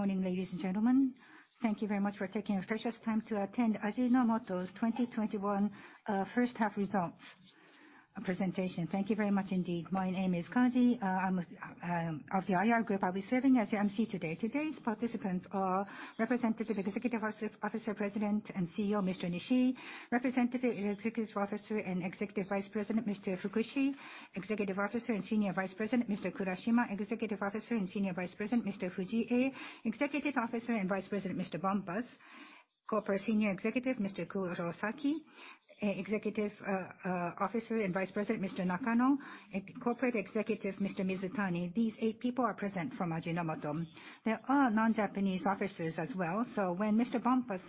Morning, ladies and gentlemen. Thank you very much for taking your precious time to attend Ajinomoto's 2021 first half results presentation. Thank you very much indeed. My name is Kaji. I'm of the IR group. I'll be serving as your MC today. Today's participants are Representative Executive Officer, President and CEO, Mr. Nishii. Representative Executive Officer and Executive Vice President, Mr. Fukushi. Executive Officer and Senior Vice President, Mr. Kurashima. Executive Officer and Senior Vice President, Mr. Fujie. Executive Officer and Vice President, Mr. Bompas. Corporate Senior Executive, Mr. Kurosaki. Executive Officer and Vice President, Mr. Nakano, and Corporate Executive, Mr. Mizutani. These eight people are present from Ajinomoto. There are non-Japanese officers as well, so when Mr. Bompas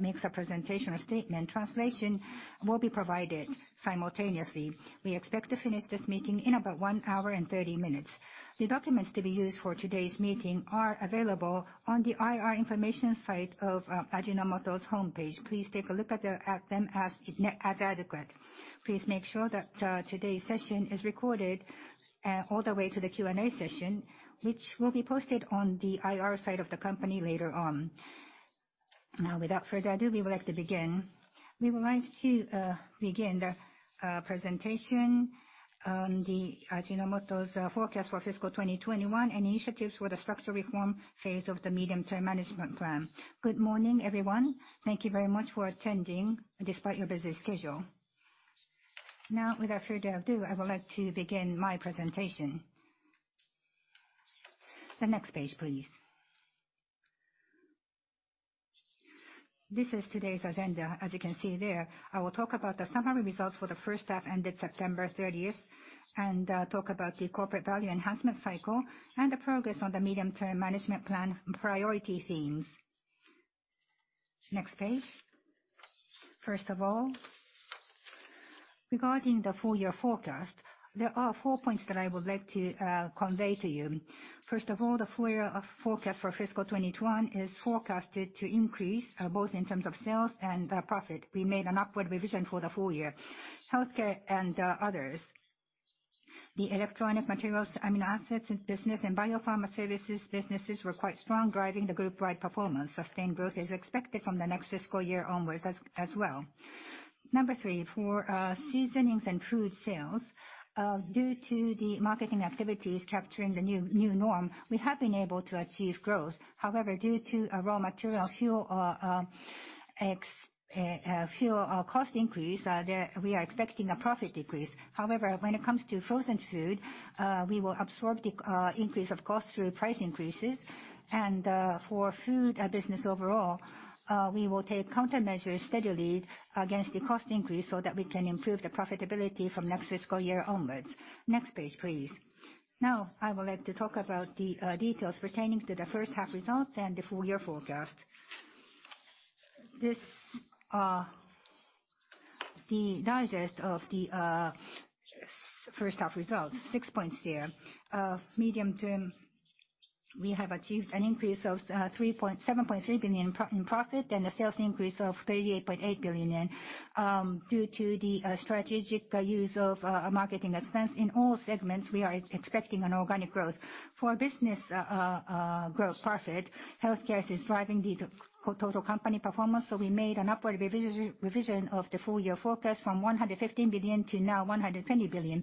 makes a presentation or statement, translation will be provided simultaneously. We expect to finish this meeting in about 1 hour and 30 minutes. The documents to be used for today's meeting are available on the IR information site of Ajinomoto's homepage. Please take a look at them as adequate. Please make sure that today's session is recorded all the way to the Q&A session, which will be posted on the IR site of the company later on. Now without further ado, we would like to begin. We would like to begin the presentation on Ajinomoto's forecast for fiscal 2021 initiatives for the structural reform phase of the medium-term management plan. Good morning, everyone. Thank you very much for attending despite your busy schedule. Now, without further ado, I would like to begin my presentation. The next page, please. This is today's agenda. As you can see there, I will talk about the summary results for the first half ended September 30th, and talk about the corporate value enhancement cycle and the progress on the medium-term management plan priority themes. Next page. First of all, regarding the full year forecast, there are four points that I would like to convey to you. First of all, the full year forecast for fiscal 2021 is forecasted to increase both in terms of sales and profit. We made an upward revision for the full year. Healthcare and others. The Electronic Materials, Amino Acids business and Bio-Pharma Services businesses were quite strong, driving the group-wide performance. Sustained growth is expected from the next fiscal year onwards as well. Number three, for seasonings and food sales, due to the marketing activities capturing the new norm, we have been able to achieve growth. However, due to a raw material fuel cost increase, we are expecting a profit decrease. However, when it comes to frozen food, we will absorb the increase of cost through price increases. For Food business overall, we will take countermeasures steadily against the cost increase so that we can improve the profitability from next fiscal year onwards. Next page, please. Now, I would like to talk about the details pertaining to the first half results and the full year forecast. This is the digest of the first half results, six points there. Medium term, we have achieved an increase of 3.7 billion in profit and a sales increase of 38.8 billion yen. Due to the strategic use of marketing expense in all segments, we are expecting an organic growth. For business growth profit, healthcare is driving the total company performance, so we made an upward revision of the full year forecast from 115 billion to 120 billion.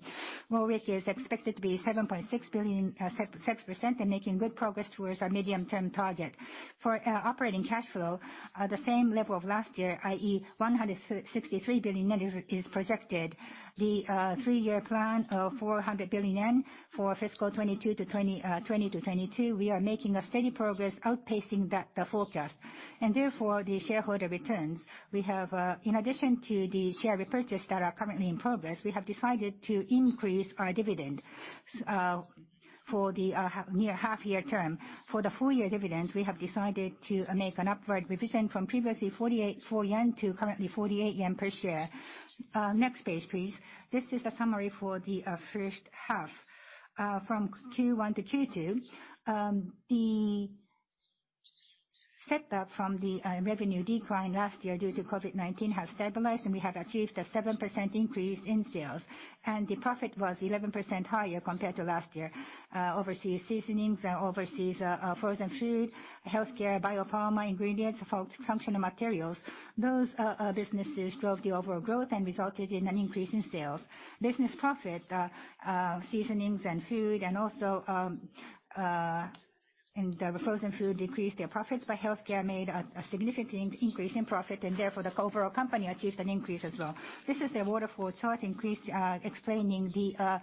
ROIC is expected to be 7.6% and making good progress towards our medium-term target. For operating cash flow at the same level of last year, i.e., 163 billion yen is projected. The three-year plan of 400 billion yen for fiscal 2022 to 2024, we are making steady progress outpacing that forecast. Therefore, for the shareholder returns, we have, in addition to the share repurchase that are currently in progress, decided to increase our dividend for the second half-year term. For the full year dividends, we have decided to make an upward revision from previously 48 to currently 84 yen per share. Next page, please. This is a summary for the first half. From Q1 to Q2, the step up from the revenue decline last year due to COVID-19 has stabilized, and we have achieved a 7% increase in sales, and the profit was 11% higher compared to last year. Overseas seasonings and overseas frozen food, healthcare, biopharma ingredients, functional materials, those businesses drove the overall growth and resulted in an increase in sales. Business profit in seasonings and foods and also in the frozen food decreased their profits, but healthcare made a significant increase in profit and therefore the overall company achieved an increase as well. This is the waterfall chart increase explaining the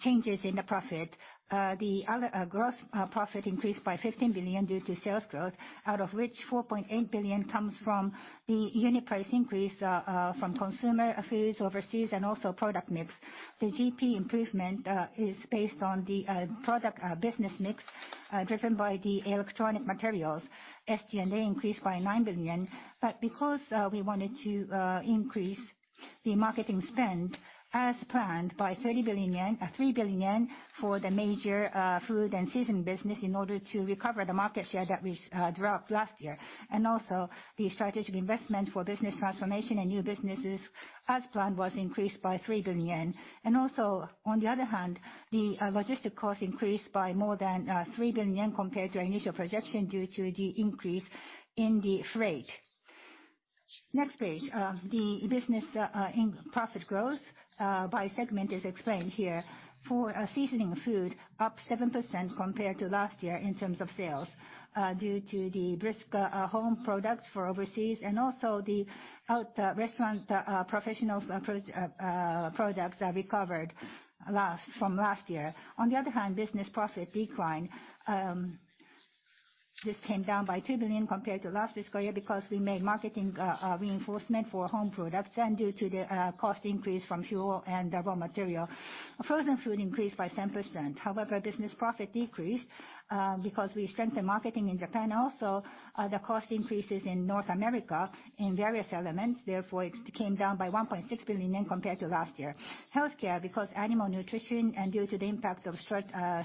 changes in the profit. The overall gross profit increased by 15 billion due to sales growth, out of which 4.8 billion comes from the unit price increase from consumer foods overseas and also product mix. The GP improvement is based on the product business mix driven by the electronic materials. SG&A increased by 9 billion. Because we wanted to increase the marketing spend as planned by 30 billion yen, 3 billion yen for the major Seasonings & Foods business in order to recover the market share that we dropped last year. The strategic investment for business transformation and new businesses as planned was increased by 3 billion yen. On the other hand, the logistics cost increased by more than 3 billion yen compared to our initial projection due to the increase in the freight. Next page, the business profit growth by segment is explained here. For Seasonings & Foods, up 7% compared to last year in terms of sales due to the brisk home products for overseas and also the out-of-home restaurant professional products recovered from last year. On the other hand, business profit declined. This came down by 2 billion compared to last fiscal year because we made marketing reinforcement for home products and due to the cost increase from fuel and raw material. Frozen food increased by 10%. However, business profit decreased because we strengthened marketing in Japan. Also, the cost increases in North America in various elements, therefore it came down by 1.6 billion yen compared to last year. Healthcare, because animal nutrition and due to the impact of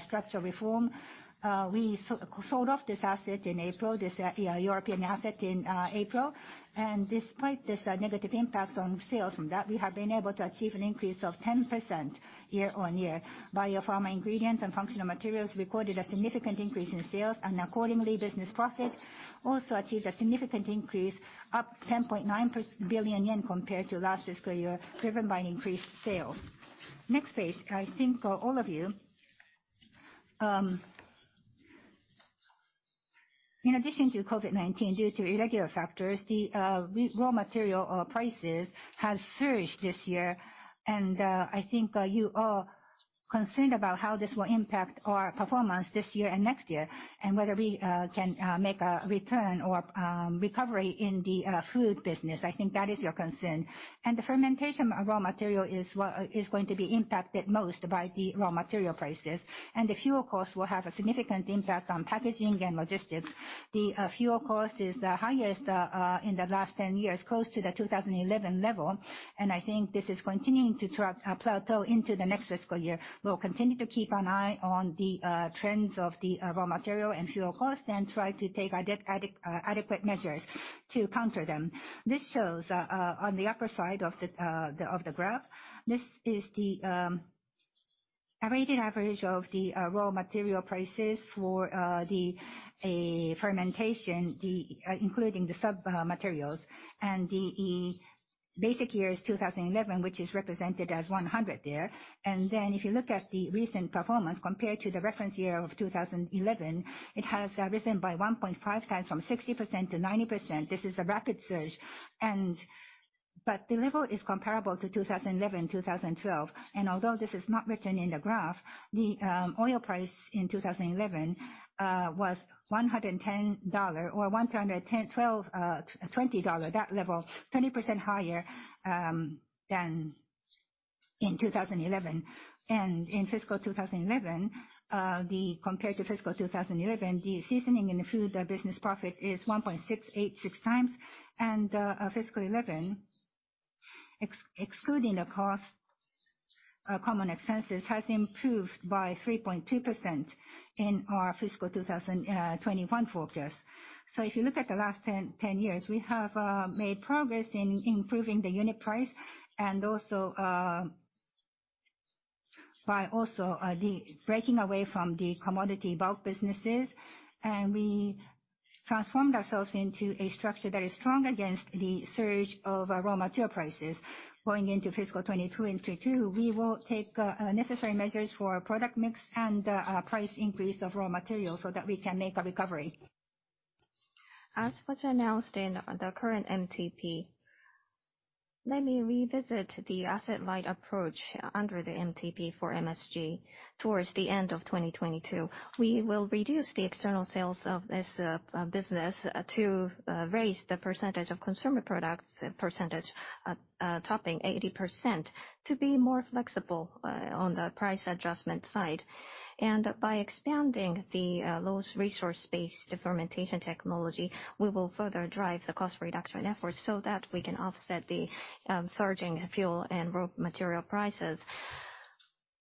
structural reform, we sold off this European asset in April. Despite this negative impact on sales from that, we have been able to achieve an increase of 10% year-on-year. Biopharma ingredients and Functional Materials recorded a significant increase in sales. Accordingly, business profit also achieved a significant increase, up 10.9 billion yen compared to last fiscal year, driven by increased sales. Next page. I think all of you, in addition to COVID-19, due to irregular factors, the raw material prices has surged this year. I think you are concerned about how this will impact our performance this year and next year, and whether we can make a return or recovery in the food business. I think that is your concern. The fermentation raw material is what is going to be impacted most by the raw material prices. The fuel costs will have a significant impact on packaging and logistics. The fuel cost is the highest in the last 10 years, close to the 2011 level, and I think this is continuing to plateau into the next fiscal year. We'll continue to keep an eye on the trends of the raw material and fuel costs and try to take adequate measures to counter them. This shows on the upper side of the graph, this is the weighted average of the raw material prices for the fermentation, including the sub materials. The basic year is 2011, which is represented as 100 there. Then if you look at the recent performance compared to the reference year of 2011, it has risen by 1.5x from 60%-90%. This is a rapid surge. The level is comparable to 2011, 2012. Although this is not written in the graph, the oil price in 2011 was $110 or $112, $120, that level, 20% higher than in 2011. In fiscal 2011, compared to fiscal 2011, the seasoning in the food business profit is 1.686x. Fiscal 2011, excluding the cost common expenses, has improved by 3.2% in our fiscal 2021 forecast. If you look at the last 10 years, we have made progress in improving the unit price and also by the breaking away from the commodity bulk businesses. We transformed ourselves into a structure that is strong against the surge of raw material prices. Going into fiscal 2022 and 2023, we will take necessary measures for product mix and price increase of raw material so that we can make a recovery. As was announced in the current MTP, let me revisit the asset-light approach under the MTP for MSG. Towards the end of 2022, we will reduce the external sales of this business to raise the percentage of consumer products, topping 80% to be more flexible on the price adjustment side. By expanding the low resource-based fermentation technology, we will further drive the cost reduction efforts so that we can offset the surging fuel and raw material prices.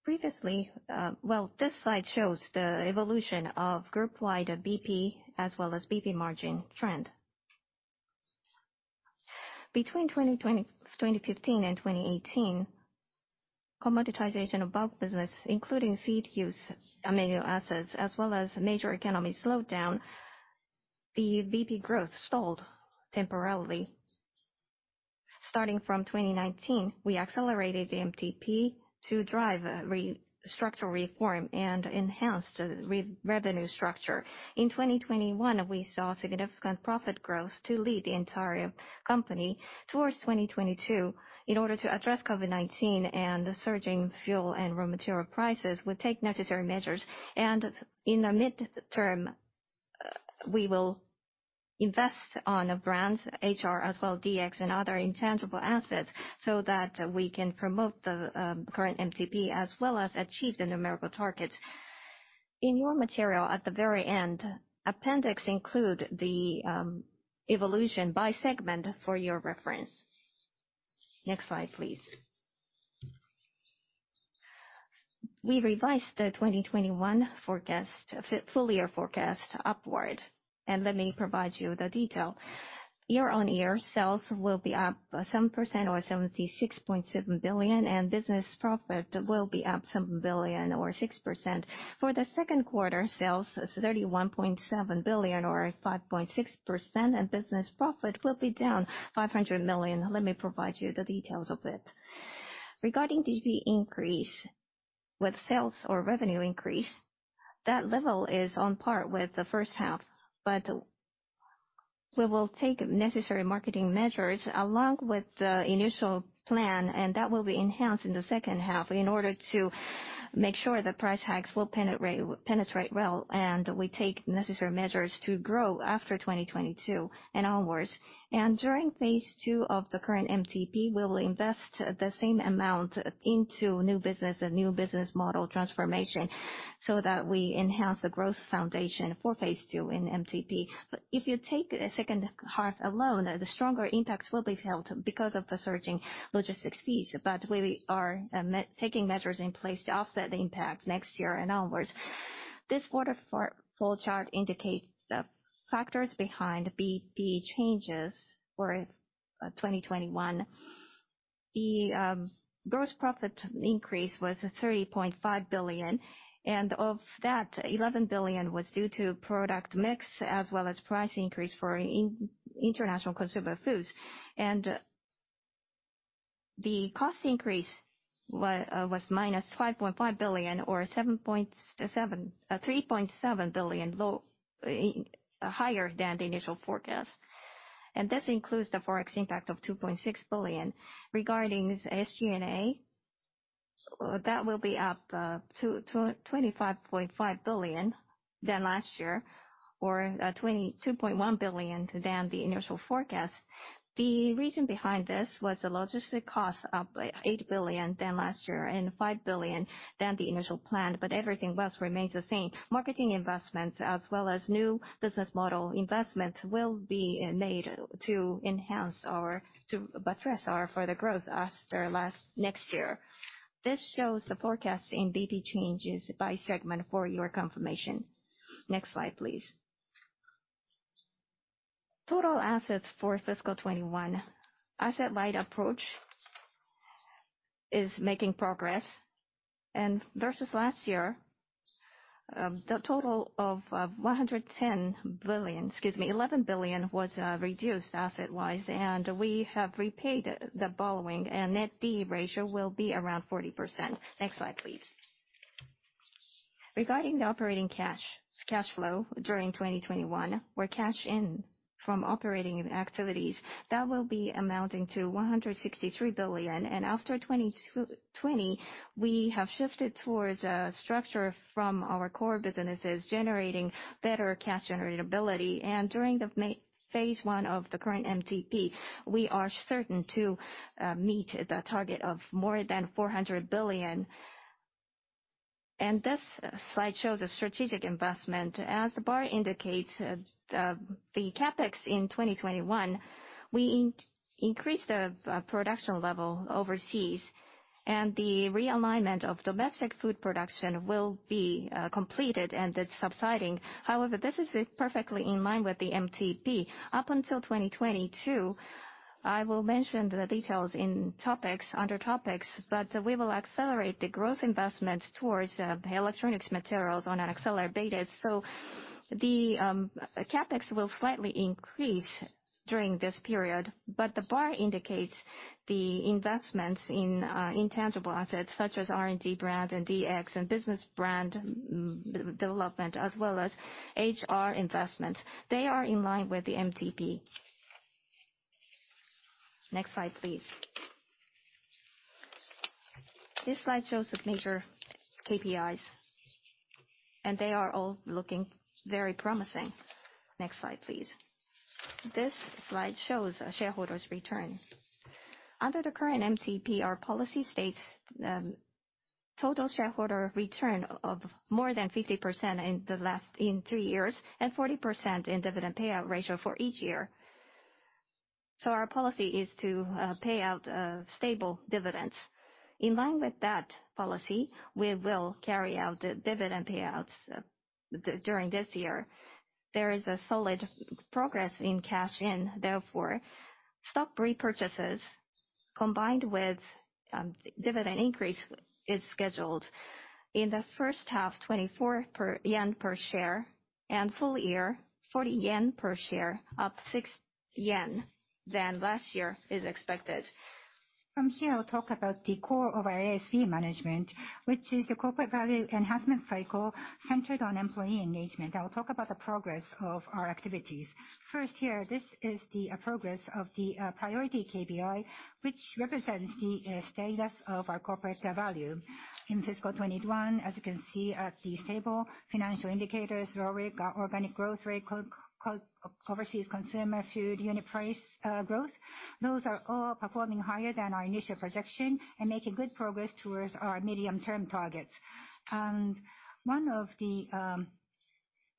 Previously, this slide shows the evolution of group-wide BP as well as BP margin trend. Between 2015 and 2018, commoditization of bulk business, including feed-use amino acids, as well as major economy slowdown, the BP growth stalled temporarily. Starting from 2019, we accelerated the MTP to drive structural reform and enhance the revenue structure. In 2021, we saw significant profit growth to lead the entire company. Towards 2022, in order to address COVID-19 and the surging fuel and raw material prices, we take necessary measures. In the midterm, we will invest on brands, HR as well as DX and other intangible assets, so that we can promote the current MTP as well as achieve the numerical targets. In your material at the very end, appendix includes the evolution by segment for your reference. Next slide, please. We revised the 2021 forecast, our full year forecast upward, and let me provide you the details. Year-over-year, sales will be up 7% to 76.7 billion, and business profit will be up 7 billion or 6%. For the second quarter, sales is 31.7 billion or 5.6%, and business profit will be down 500 million. Let me provide you the details of it. Regarding DB increase with sales or revenue increase, that level is on par with the first half. We will take necessary marketing measures along with the initial plan, and that will be enhanced in the second half in order to make sure the price hikes will penetrate well, and we take necessary measures to grow after 2022 and onwards. During phase two of the current MTP, we will invest the same amount into new business, a new business model transformation, so that we enhance the growth foundation for phase two in MTP. If you take the second half alone, the stronger impacts will be felt because of the surging logistics fees. We are taking measures in place to offset the impact next year and onwards. This quarter flow chart indicates the factors behind the BP changes for 2021. The gross profit increase was 30.5 billion, and of that, 11 billion was due to product mix as well as price increase for international consumer foods. The cost increase was minus 5.5 billion or 7.3 billion lower than the initial forecast. This includes the forex impact of 2.6 billion. Regarding SG&A, that will be up 25.5 billion than last year or 2.1 billion than the initial forecast. The reason behind this was the logistics cost up 8 billion than last year and 5 billion than the initial plan, but everything else remains the same. Marketing investments as well as new business model investments will be made to address our further growth after next year. This shows the forecast in BP changes by segment for your confirmation. Next slide, please. Total assets for fiscal 2021. Asset light approach is making progress. Versus last year, the total of 11 billion was reduced asset-wise, and we have repaid the borrowing, and net D/E ratio will be around 40%. Next slide, please. Regarding the operating cash flow during 2021, cash in from operating activities that will be amounting to 163 billion. After 2021, we have shifted towards a structure from our core businesses generating better cash generatability. During the phase one of the current MTP, we are certain to meet the target of more than 400 billion. This slide shows a strategic investment. As the bar indicates, the CapEx in 2021, we increased the production level overseas, and the realignment of domestic food production will be completed and it's subsiding. However, this is perfectly in line with the MTP. Up until 2022, I will mention the details in topics, under topics, but we will accelerate the growth investments towards the Electronic Materials on an accelerated. The CapEx will slightly increase during this period, but the bar indicates the investments in intangible assets such as R&D brand and DX and business brand development, as well as HR investment. They are in line with the MTP. Next slide, please. This slide shows the major KPIs, and they are all looking very promising. Next slide, please. This slide shows a shareholder's return. Under the current MTP, our policy states total shareholder return of more than 50% in three years and 40% in dividend payout ratio for each year. Our policy is to pay out stable dividends. In line with that policy, we will carry out the dividend payouts during this year. There is solid progress in cash in; therefore, stock repurchases combined with dividend increase is scheduled in the first half, 24 yen per share, and full year, 40 yen per share, up 6 yen than last year is expected. From here, I'll talk about the core of our ASV management, which is the corporate value enhancement cycle centered on employee engagement. I will talk about the progress of our activities. First here, this is the progress of the priority KPI, which represents the status of our corporate value. In fiscal 2021, as you can see at the stable financial indicators, ROIC, our organic growth rate, overseas consumer food unit price growth, those are all performing higher than our initial projection and making good progress towards our medium-term targets. One of the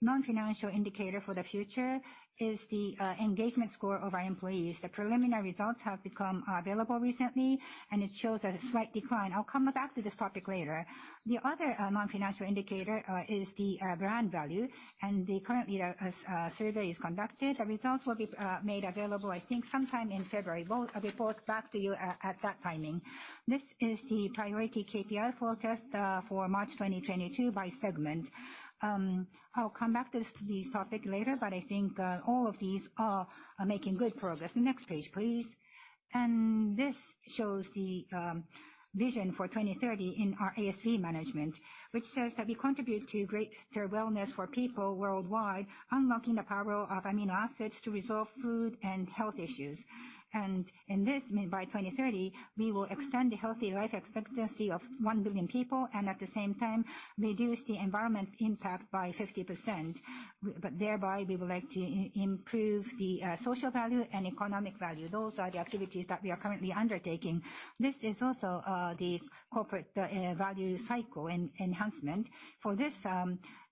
non-financial indicators for the future is the engagement score of our employees. The preliminary results have become available recently and it shows a slight decline. I'll come back to this topic later. The other non-financial indicator is the brand value. Currently the survey is conducted. The results will be made available, I think, sometime in February. We'll report back to you at that timing. This is the priority KPI forecast for March 2022 by segment. I'll come back to this topic later, but I think all of these are making good progress. Next page, please. This shows the vision for 2030 in our ASV management, which says that we contribute to greater wellness for people worldwide, unlocking the power of amino acids to resolve food and health issues. In this, by 2030, we will extend the healthy life expectancy of a billion people, and at the same time reduce the environmental impact by 50%. Thereby we would like to improve the social value and economic value. Those are the activities that we are currently undertaking. This is also the corporate value cycle enhancement. For this,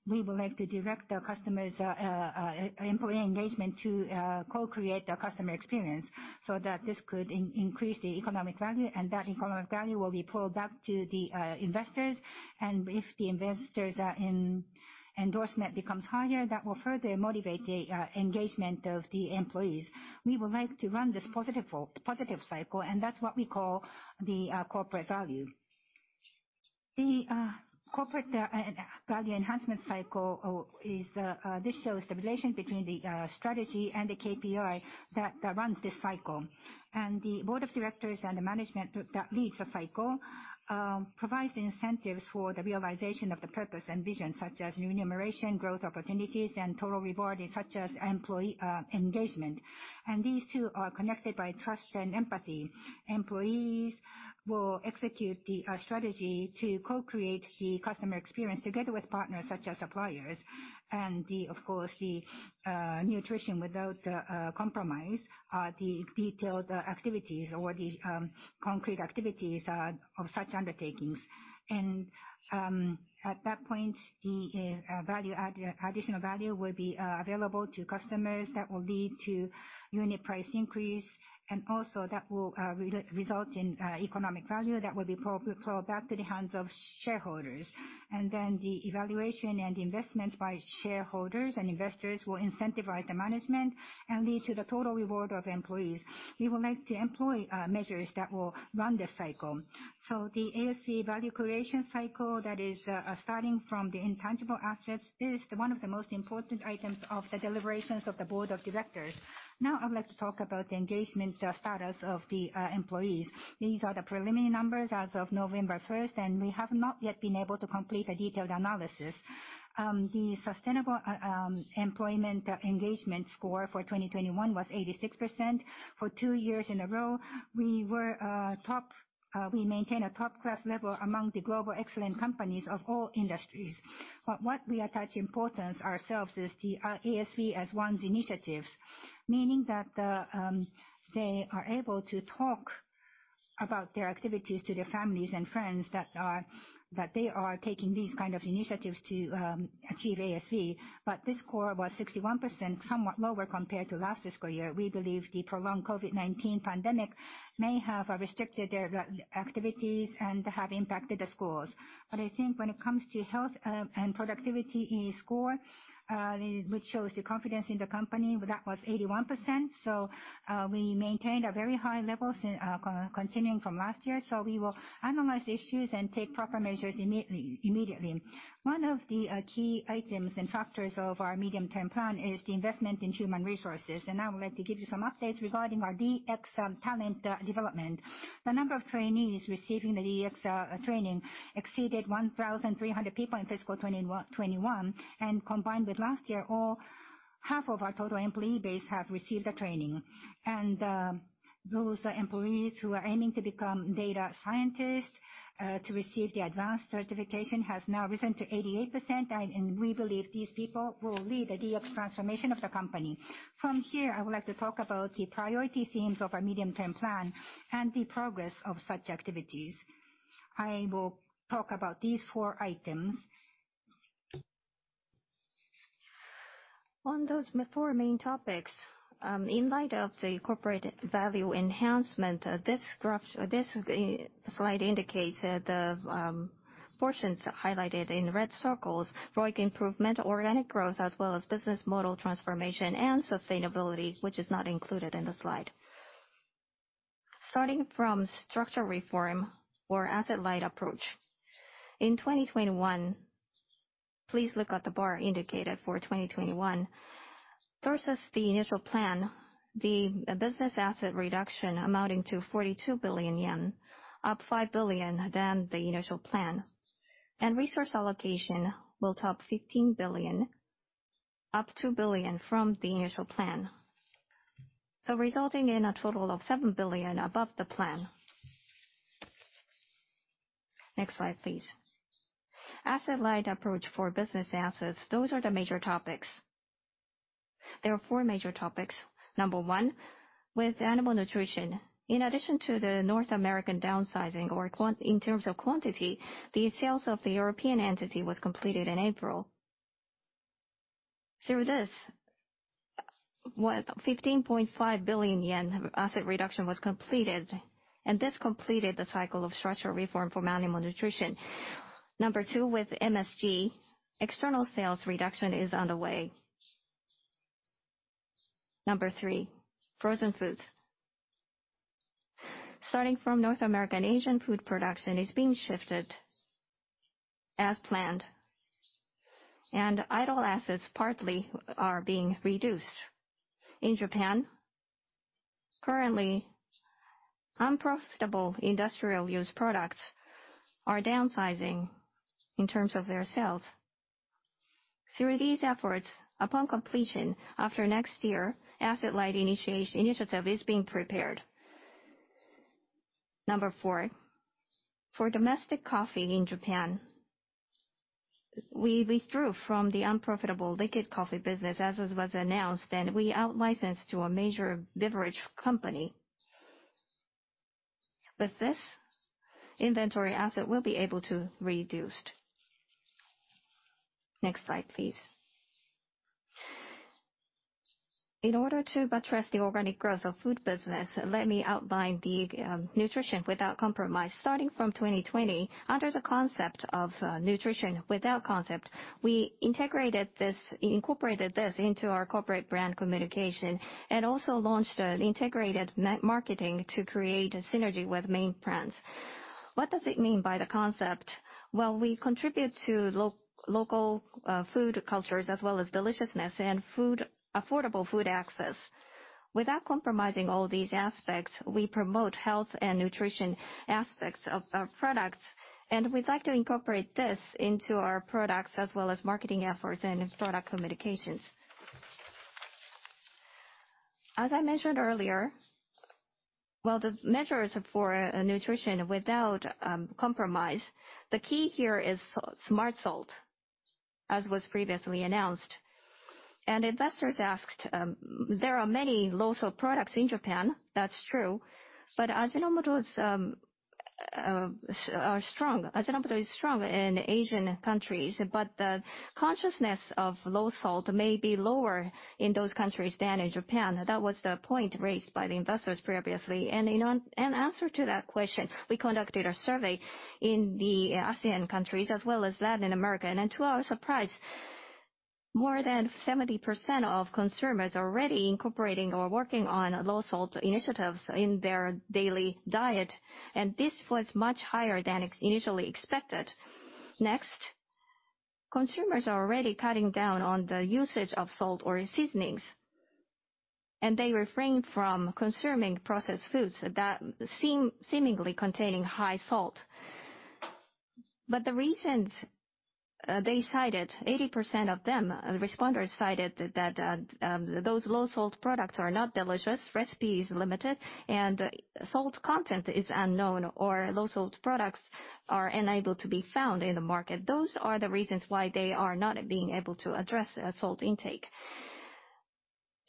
we would like to direct our customer and employee engagement to co-create the customer experience so that this could increase the economic value. That economic value will be pulled back to the investors. If the investors' endorsement becomes higher, that will further motivate the engagement of the employees. We would like to run this positive cycle, and that's what we call the corporate value. The corporate value enhancement cycle shows the relation between the strategy and the KPI that runs this cycle. The board of directors and the management that leads the cycle provides the incentives for the realization of the purpose and vision, such as remuneration, growth opportunities, and total reward such as employee engagement. These two are connected by trust and empathy. Employees will execute the strategy to co-create the customer experience together with partners such as suppliers. The Nutrition Without Compromise are the detailed activities or the concrete activities of such undertakings. At that point, the additional value will be available to customers that will lead to unit price increase. Also that will result in economic value that will flow back to the hands of shareholders. The evaluation and investments by shareholders and investors will incentivize the management and lead to the total reward of employees. We would like to employ measures that will run this cycle. The ASV value creation cycle that is starting from the intangible assets is one of the most important items of the deliberations of the board of directors. Now I'd like to talk about the engagement status of the employees. These are the preliminary numbers as of November 1st, and we have not yet been able to complete a detailed analysis. The sustainable employee engagement score for 2021 was 86%. For two years in a row, we were top, we maintain a top class level among the global excellent companies of all industries. What we attach importance to is the ASV and our initiatives. Meaning that they are able to talk about their activities to their families and friends that they are taking these kind of initiatives to achieve ASV. This score was 61%, somewhat lower compared to last fiscal year. We believe the prolonged COVID-19 pandemic may have restricted their activities and have impacted the scores. I think when it comes to health and productivity score, which shows the confidence in the company, that was 81%. We maintained a very high level since continuing from last year. We will analyze issues and take proper measures immediately. One of the key items and factors of our medium-term plan is the investment in human resources. Now I'd like to give you some updates regarding our DX talent development. The number of trainees receiving the DX training exceeded 1,300 people in fiscal 2021. Combined with last year, over half of our total employee base have received the training. Those employees who are aiming to become data scientists to receive the advanced certification has now risen to 88%. We believe these people will lead the DX transformation of the company. From here, I would like to talk about the priority themes of our medium-term plan and the progress of such activities. I will talk about these four items. On those four main topics, in light of the corporate value enhancement, this graph, this slide indicates that the portions highlighted in red circles, ROIC improvement, organic growth, as well as business model transformation and sustainability, which is not included in the slide. Starting from structural reform or asset-light approach. In 2021, please look at the bar indicated for 2021. Versus the initial plan, the business asset reduction amounting to 42 billion yen, up 5 billion than the initial plan. Resource allocation will top 15 billion, up 2 billion from the initial plan. Resulting in a total of 7 billion above the plan. Next slide, please. Asset-light approach for business assets, those are the major topics. There are four major topics. Number one, with animal nutrition, in addition to the North American downsizing in terms of quantity, the sales of the European entity was completed in April. Through this, 15.5 billion yen of asset reduction was completed, and this completed the cycle of structural reform for animal nutrition. Number two, with MSG, external sales reduction is underway. Number three, frozen foods. Starting from North American, Asian food production is being shifted as planned, and idle assets partly are being reduced. In Japan, currently unprofitable industrial use products are downsizing in terms of their sales. Through these efforts, upon completion after next year, asset light initiative is being prepared. Number four, for domestic coffee in Japan, we withdrew from the unprofitable liquid coffee business, as it was announced, and we out-licensed to a major beverage company. With this, inventory asset will be able to reduced. Next slide, please. In order to buttress the organic growth of food business, let me outline the Nutrition Without Compromise. Starting from 2020, under the concept of Nutrition Without Compromise, we incorporated this into our corporate brand communication and also launched an integrated marketing to create a synergy with main brands. What does it mean by the concept? Well, we contribute to local food cultures as well as deliciousness and affordable food access. Without compromising all these aspects, we promote health and nutrition aspects of our products, and we'd like to incorporate this into our products, as well as marketing efforts and product communications. As I mentioned earlier, while the measures for Nutrition Without Compromise, the key here is Smart Salt, as was previously announced. Investors asked, there are many low-salt products in Japan. That's true. But Ajinomoto's are strong. Ajinomoto is strong in Asian countries, but the consciousness of low salt may be lower in those countries than in Japan. That was the point raised by the investors previously. In an answer to that question, we conducted a survey in the ASEAN countries as well as Latin America. To our surprise, more than 70% of consumers are already incorporating or working on low-salt initiatives in their daily diet, and this was much higher than initially expected. Next, consumers are already cutting down on the usage of salt or seasonings, and they refrain from consuming processed foods that seem seemingly containing high salt. The reasons they cited, 80% of them, respondents cited that those low-salt products are not delicious, recipe is limited, and salt content is unknown, or low-salt products are unable to be found in the market. Those are the reasons why they are not being able to address salt intake.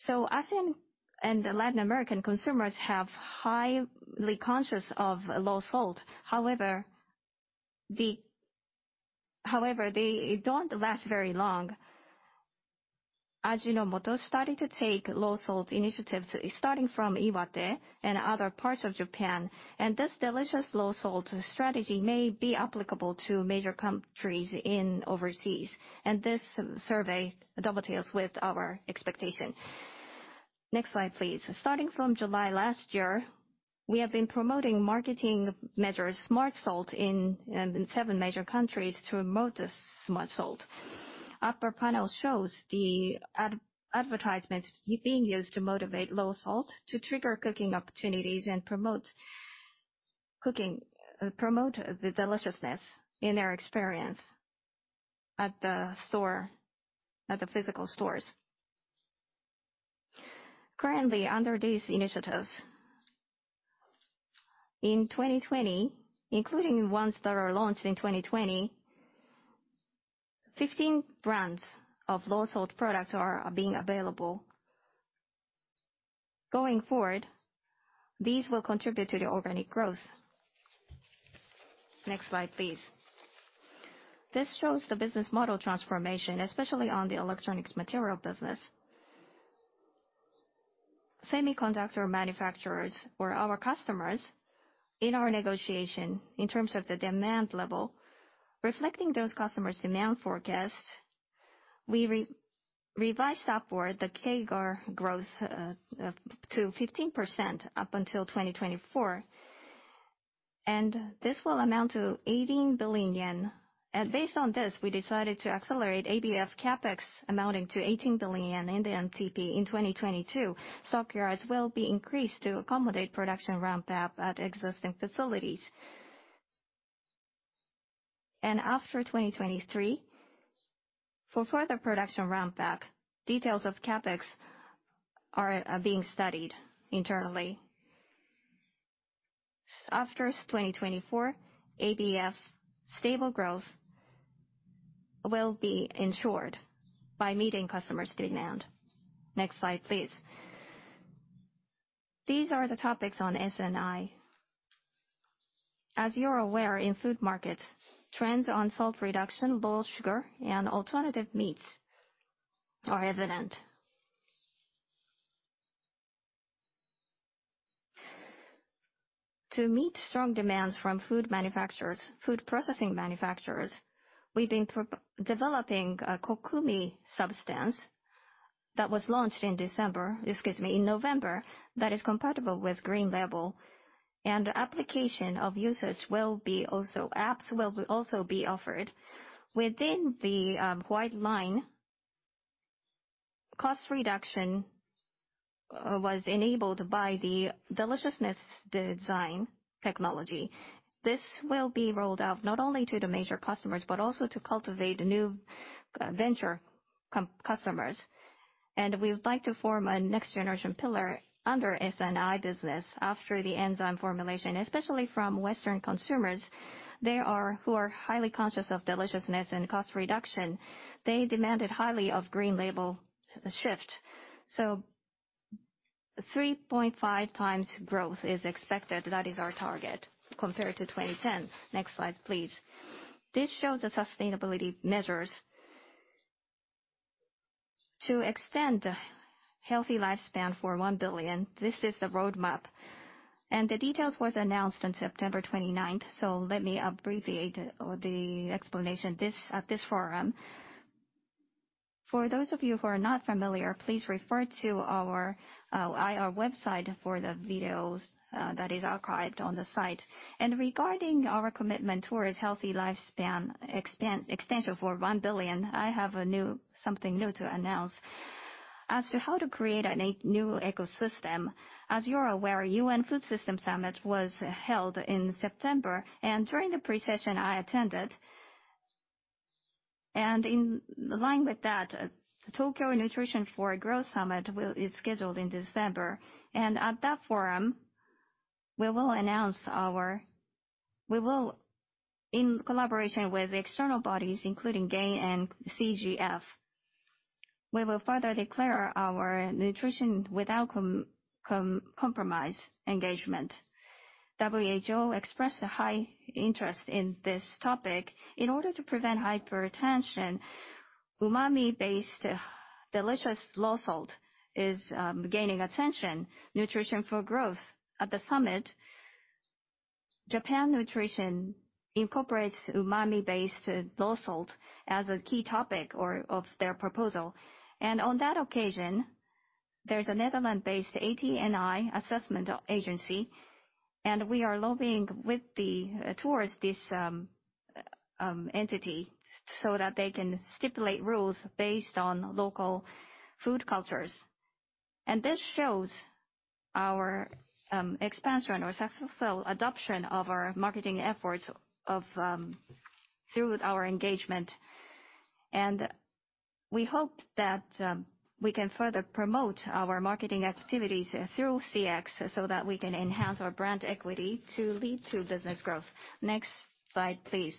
ASEAN and the Latin American consumers have highly conscious of low salt. However, they don't last very long. Ajinomoto started to take low-salt initiatives starting from Iwate and other parts of Japan, and this delicious low-salt strategy may be applicable to major countries in overseas. This survey dovetails with our expectation. Next slide, please. Starting from July last year, we have been promoting marketing measures, Smart Salt, in 7 major countries to promote Smart Salt. Upper panel shows the advertisement being used to motivate low salt to trigger cooking opportunities and promote cooking, promote the deliciousness in their experience at the store, at the physical stores. Currently, under these initiatives, in 2020, including ones that are launched in 2020, 15 brands of low-salt products are being available. Going forward, these will contribute to the organic growth. Next slide, please. This shows the business model transformation, especially on the Electronic Materials business. Semiconductor manufacturers or our customers in our negotiation, in terms of the demand level, reflecting those customers' demand forecast, we revised upward the CAGR growth to 15% up until 2024, and this will amount to 18 billion yen. Based on this, we decided to accelerate ABF CapEx amounting to 18 billion yen in the MTP in 2022. Stockyards will be increased to accommodate production ramp-up at existing facilities. After 2023, for further production ramp-up, details of CapEx are being studied internally. After 2024, ABF stable growth will be ensured by meeting customers' demand. Next slide, please. These are the topics on S&I. As you're aware, in food markets, trends on salt reduction, low sugar, and alternative meats are evident. To meet strong demands from food manufacturers, food processing manufacturers, we've been developing a kokumi substance that was launched in December, excuse me, in November, that is compatible with clean label, and application of usage will be also. Apps will also be offered. Within the white line, cost reduction was enabled by the Deliciousness Design Technology. This will be rolled out not only to the major customers, but also to cultivate new venture customers. We would like to form a next generation pillar under S&I business after the enzyme formulation, especially from Western consumers who are highly conscious of deliciousness and cost reduction. They demanded highly of clean label shift. 3.5x growth is expected, that is our target, compared to 2010. Next slide, please. This shows the sustainability measures to extend healthy lifespan for one billion, this is the roadmap, and the details was announced on September 29th. Let me abbreviate the explanation this at this forum. For those of you who are not familiar, please refer to our IR website for the videos that is archived on the site. Regarding our commitment towards healthy lifespan extension for one billion, I have something new to announce. As to how to create a new ecosystem, as you're aware, UN Food Systems Summit was held in September. During the pre-session I attended, and in line with that, Tokyo Nutrition for Growth Summit is scheduled in December. At that forum, in collaboration with external bodies, including GAIN and CGF, we will further declare our Nutrition Without Compromise engagement. WHO expressed a high interest in this topic. In order to prevent hypertension, umami-based delicious low-salt is gaining attention. Nutrition for Growth. At the summit, Japan Nutrition incorporates umami-based low-salt as a key topic or of their proposal. On that occasion, there's a Netherlands-based ATNI assessment agency, and we are lobbying towards this entity so that they can stipulate rules based on local food cultures. This shows our expansion or successful adoption of our marketing efforts through our engagement. We hope that we can further promote our marketing activities through CX so that we can enhance our brand equity to lead to business growth. Next slide, please.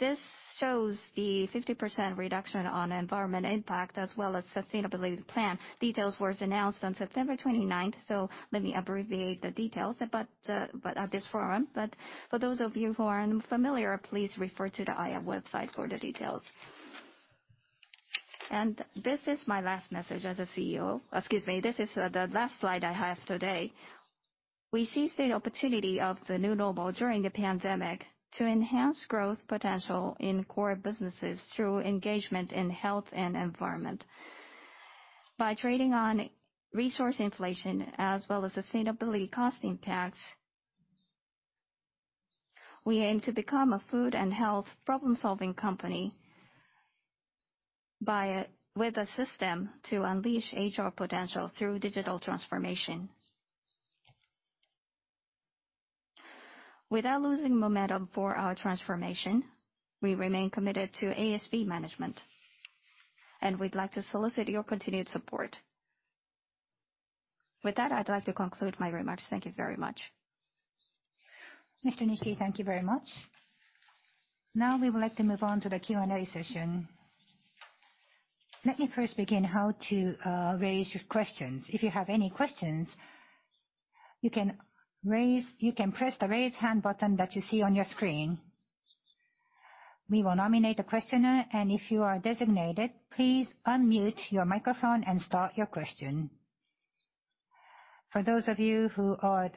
This shows the 50% reduction on environmental impact as well as sustainability plan. Details was announced on September 29th, so let me abbreviate the details about, but at this forum. But for those of you who aren't familiar, please refer to the IR website for the details. This is my last message as a CEO. Excuse me, this is the last slide I have today. We seized the opportunity of the new normal during the pandemic to enhance growth potential in core businesses through engagement in health and environment. By trading on resource inflation as well as sustainability cost impacts, we aim to become a food and health problem-solving company by, with a system to unleash HR potential through digital transformation. Without losing momentum for our transformation, we remain committed to ASV management, and we'd like to solicit your continued support. With that, I'd like to conclude my remarks. Thank you very much. Mr. Nishii, thank you very much. Now, we would like to move on to the Q&A session. Let me first begin how to raise your questions. If you have any questions, you can press the Raise Hand button that you see on your screen. We will nominate a questioner, and if you are designated, please unmute your microphone and start your question. For those of you who are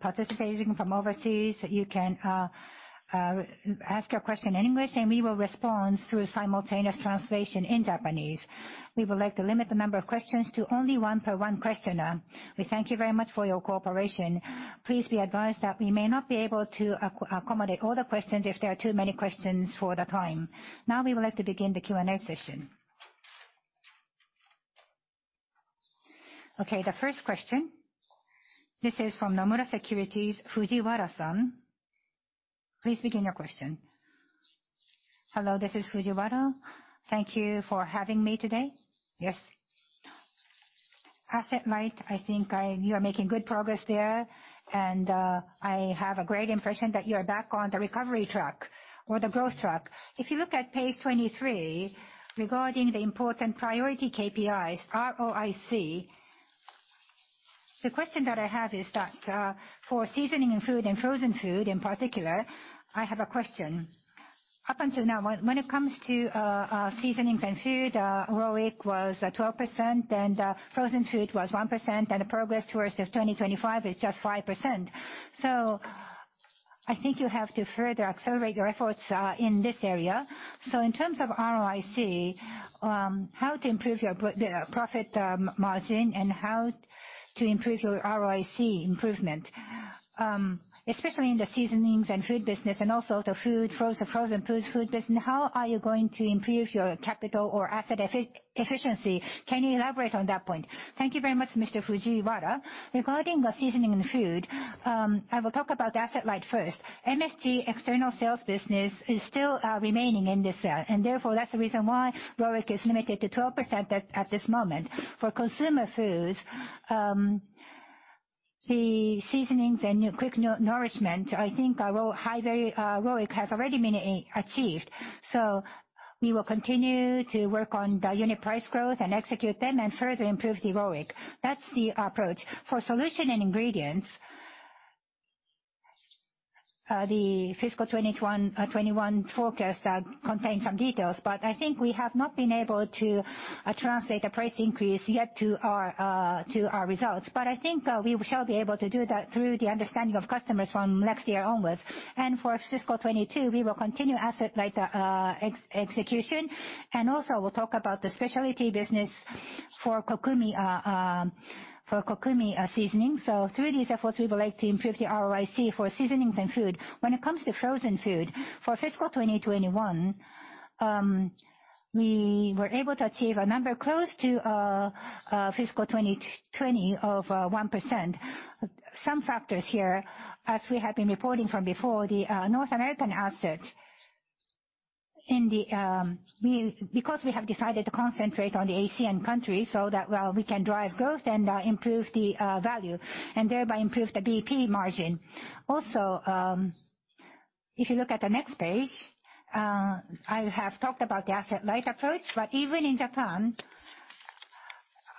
participating from overseas, you can ask your question in English, and we will respond through simultaneous translation in Japanese. We would like to limit the number of questions to only one per questioner. We thank you very much for your cooperation. Please be advised that we may not be able to accommodate all the questions if there are too many questions for the time. Now, we would like to begin the Q&A session. Okay, the first question, this is from Nomura Securities, Fujiwara-san. Please begin your question. Hello, this is Fujiwara. Thank you for having me today. Yes. Asset-light, I think you are making good progress there, and I have a great impression that you are back on the recovery track or the growth track. If you look at page 23, regarding the important priority KPIs, ROIC. The question that I have is that for Seasonings and Foods and Frozen Foods in particular, I have a question. Up until now, when it comes to Seasonings and Foods, ROIC was at 12%, and Frozen Foods was 1%, and the progress towards the 2025 is just 5%. I think you have to further accelerate your efforts in this area. In terms of ROIC, how to improve the profit margin and how to improve your ROIC improvement, especially in the seasonings and food business and also the frozen food business, how are you going to improve your capital or asset efficiency? Can you elaborate on that point? Thank you very much, Mr. Fujiwara. Regarding the seasoning and food, I will talk about asset light first. MSG external sales business is still remaining in this. Therefore, that's the reason why ROIC is limited to 12% at this moment. For consumer foods, the seasonings and quick nourishment, I think our very high ROIC has already been achieved. We will continue to work on the unit price growth and execute them and further improve the ROIC. That's the approach. For Solutions and Ingredients, the fiscal 2021 forecast contains some details, but I think we have not been able to translate the price increase yet to our results. I think we shall be able to do that through the understanding of customers from next year onwards. For fiscal 2022, we will continue asset light execution, and also we'll talk about the specialty business for kokumi seasoning. Through these efforts, we would like to improve the ROIC for seasonings and food. When it comes to frozen food, for fiscal 2021, we were able to achieve a number close to fiscal 2020 of 1%. Some factors here, as we have been reporting from before, the North American assets. Because we have decided to concentrate on the ASEAN countries so that, well, we can drive growth and improve the value and thereby improve the BP margin. Also, if you look at the next page, I have talked about the asset-light approach. Even in Japan,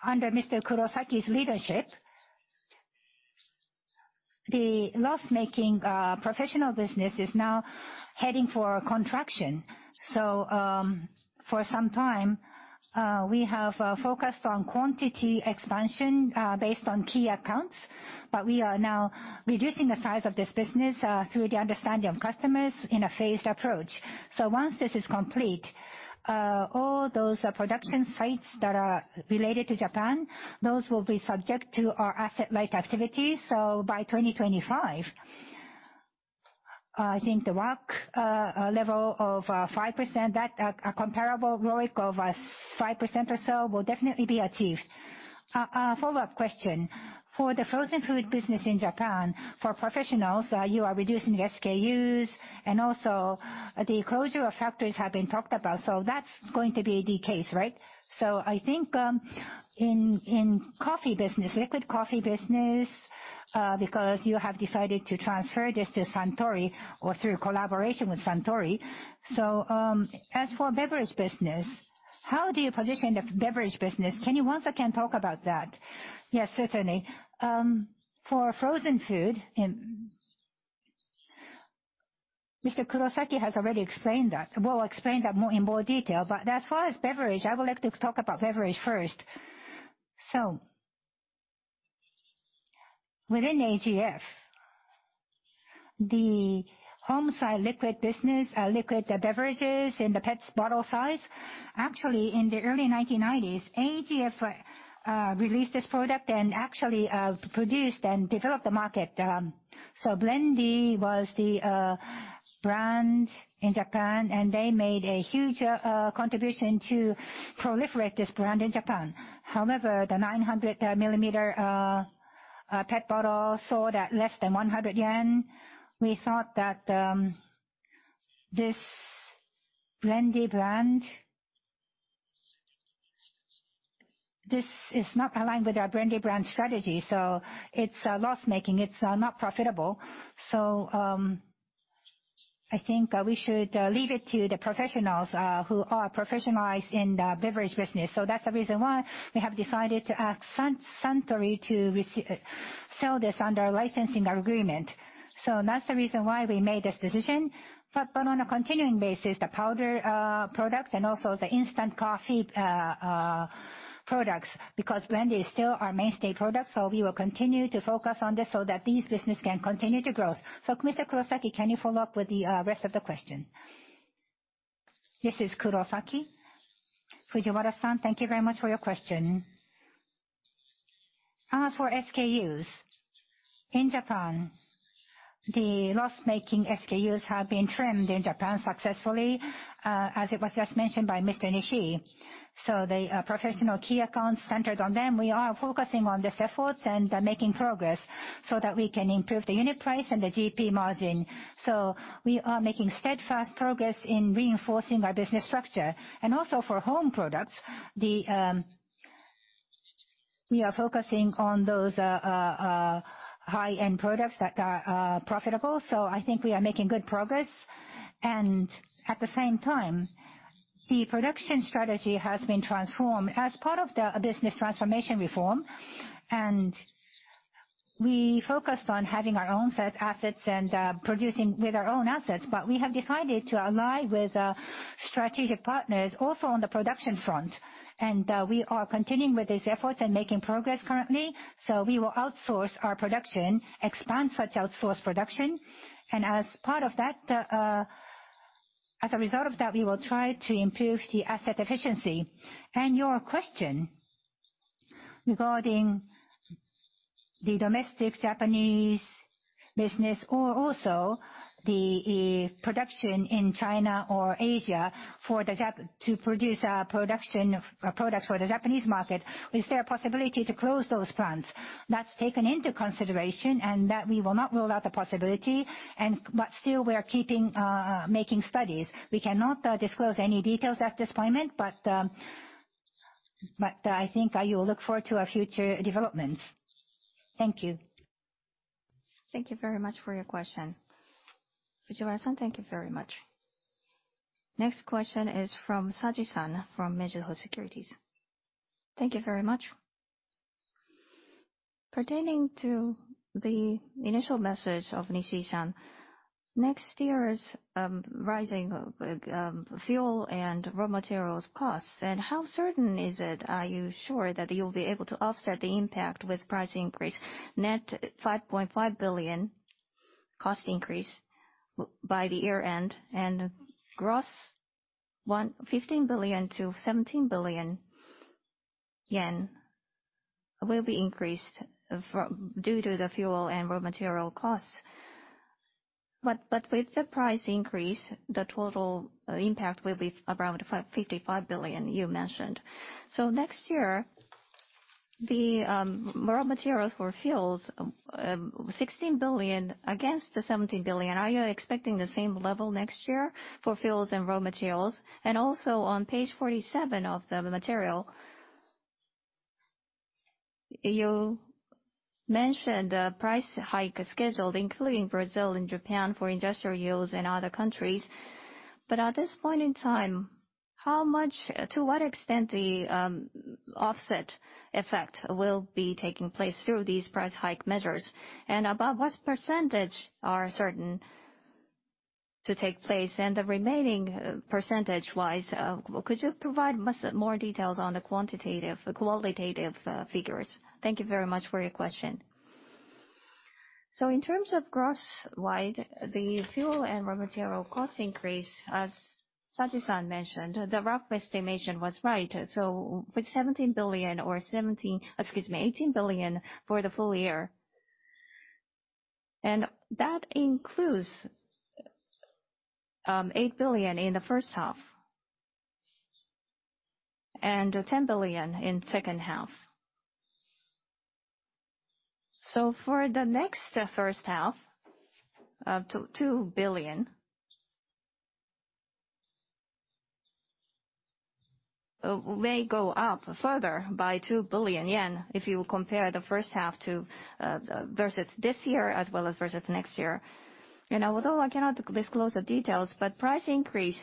under Mr. Kurosaki's leadership, the loss-making professional business is now heading for a contraction. For some time, we have focused on quantity expansion based on key accounts, but we are now reducing the size of this business through the understanding of customers in a phased approach. Once this is complete, all those production sites that are related to Japan will be subject to our asset-light activities. By 2025, I think the ROIC level of 5%, that a comparable ROIC of 5% or so will definitely be achieved. A follow-up question. For the frozen food business in Japan, for professionals, you are reducing the SKUs and also the closure of factories have been talked about, so that's going to be the case, right? I think in coffee business, liquid coffee business, because you have decided to transfer this to Suntory or through collaboration with Suntory. As for beverage business, how do you position the beverage business? Can you once again talk about that? Yes, certainly. For frozen food, Mr. Kurosaki has already explained that, well, explained that more in more detail. As far as beverage, I would like to talk about beverage first. Within AGF, the home iced liquid business, liquid beverages in the PET bottle size, actually, in the early 1990s, AGF released this product and actually produced and developed the market. Blendy was the brand in Japan, and they made a huge contribution to proliferate this brand in Japan. However, the 900 mm PET bottle sold at less than 100 yen. We thought that this Blendy brand, this is not aligned with our Blendy brand strategy, so it's loss-making. It's not profitable. I think we should leave it to the professionals who are professionalized in the beverage business. That's the reason why we have decided to ask Suntory to resell this under a licensing agreement. That's the reason why we made this decision. On a continuing basis, the powder products and also the instant coffee products, because Blendy is still our mainstay product, we will continue to focus on this so that these business can continue to grow. Mr. Kurosaki, can you follow up with the rest of the question? This is Kurosaki. Fujiwara-san, thank you very much for your question. As for SKUs, in Japan, the loss-making SKUs have been trimmed in Japan successfully, as it was just mentioned by Mr. Nishii. The professional key accounts centered on them, we are focusing on these efforts and making progress so that we can improve the unit price and the GP margin. We are making steadfast progress in reinforcing our business structure. Also for home products, we are focusing on those high-end products that are profitable. I think we are making good progress. At the same time, the production strategy has been transformed as part of the business transformation reform. We focused on having our own set assets and producing with our own assets. We have decided to ally with strategic partners also on the production front. We are continuing with these efforts and making progress currently. We will outsource our production, expand such outsourced production. As part of that, as a result of that, we will try to improve the asset efficiency. Your question regarding the domestic Japanese business or also the production in China or Asia for the production of products for the Japanese market, is there a possibility to close those plants? That's taken into consideration, and that we will not rule out the possibility. Still we are keeping making studies. We cannot disclose any details at this point, but I think you will look forward to our future developments. Thank you. Thank you very much for your question. Fujiwara-san, thank you very much. Next question is from Saji-san from Mizuho Securities. Thank you very much. Pertaining to the initial message of Nishii-san, next year's rising of fuel and raw materials costs, and how certain is it, are you sure that you'll be able to offset the impact with price increase? Net 5.5 billion cost increase by the year-end, and gross JPY 15 billion-JPY 17 billion will be increased due to the fuel and raw material costs. But with the price increase, the total impact will be around 5 billion-55 billion you mentioned. Next year, the raw material for fuels 16 billion against the 17 billion. Are you expecting the same level next year for fuels and raw materials? On page 47 of the material, you mentioned the price hike scheduled, including Brazil and Japan for industrial use in other countries. At this point in time, how much, to what extent the offset effect will be taking place through these price hike measures? About what percentage are certain to take place? The remaining percentage-wise, could you provide much more details on the quantitative, qualitative figures? Thank you very much for your question. In terms of growth wide, the fuel and raw material cost increase, as Saji-san mentioned, the rough estimation was right. With 17 billion or 17, excuse me, 18 billion for the full year, and that includes 8 billion in the first half and 10 billion in second half. For the next first half, JPY 2 billion may go up further by 2 billion yen if you compare the first half to versus this year as well as versus next year. Although I cannot disclose the details, but price increase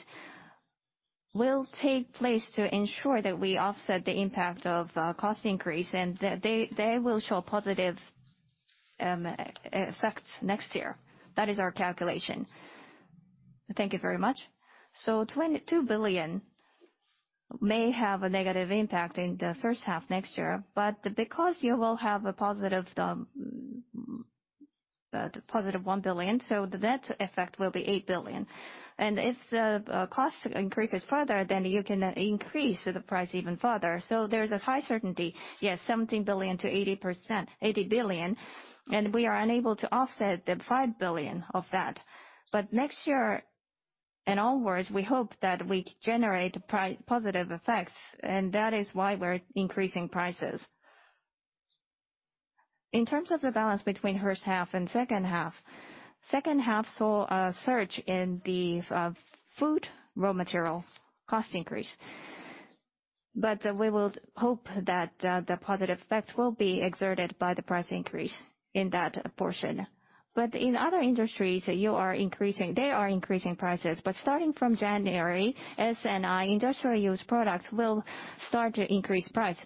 will take place to ensure that we offset the impact of cost increase, and they will show positive effects next year. That is our calculation. Thank you very much. 22 billion may have a negative impact in the first half next year. Because you will have a positive 1 billion, the net effect will be 8 billion. If the cost increases further, then you can increase the price even further. There's a high certainty, yes, 17 billion to 80%, 80 billion, and we are unable to offset the 5 billion of that. Next year and onwards we hope that we generate positive effects, and that is why we're increasing prices. In terms of the balance between first half and second half, second half saw a surge in the food raw material cost increase. We will hope that the positive effects will be exerted by the price increase in that portion. In other industries, you are increasing, they are increasing prices. Starting from January, S&I industrial use products will start to increase price.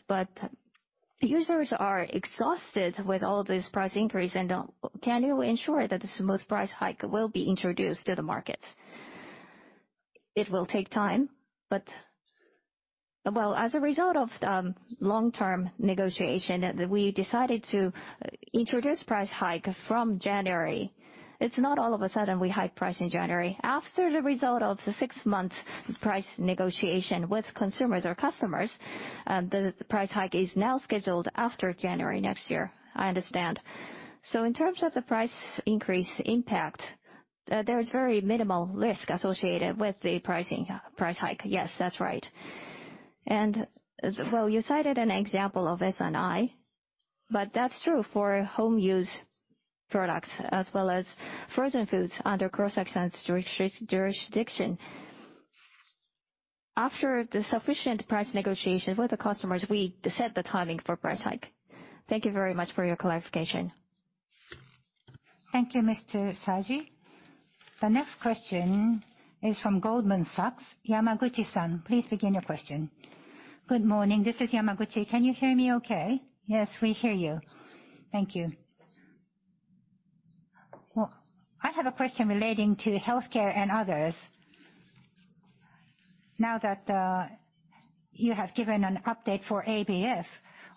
Users are exhausted with all this price increase. Can you ensure that a smooth price hike will be introduced to the markets? It will take time, well, as a result of long-term negotiation, we decided to introduce price hike from January. It's not all of a sudden we hike price in January. After the result of the six months price negotiation with consumers or customers, the price hike is now scheduled after January next year. I understand. In terms of the price increase impact, there is very minimal risk associated with the pricing, price hike. Yes, that's right. Well, you cited an example of S&I, but that's true for home use products as well as frozen foods under Cross Excited's jurisdiction. After the sufficient price negotiation with the customers, we set the timing for price hike. Thank you very much for your clarification. Thank you, Mr. Saji. The next question is from Goldman Sachs, Yamaguchi-san, please begin your question. Good morning. This is Yamaguchi. Can you hear me okay? Yes, we hear you. Thank you. Well, I have a question relating to healthcare and others. Now that you have given an update for ABF,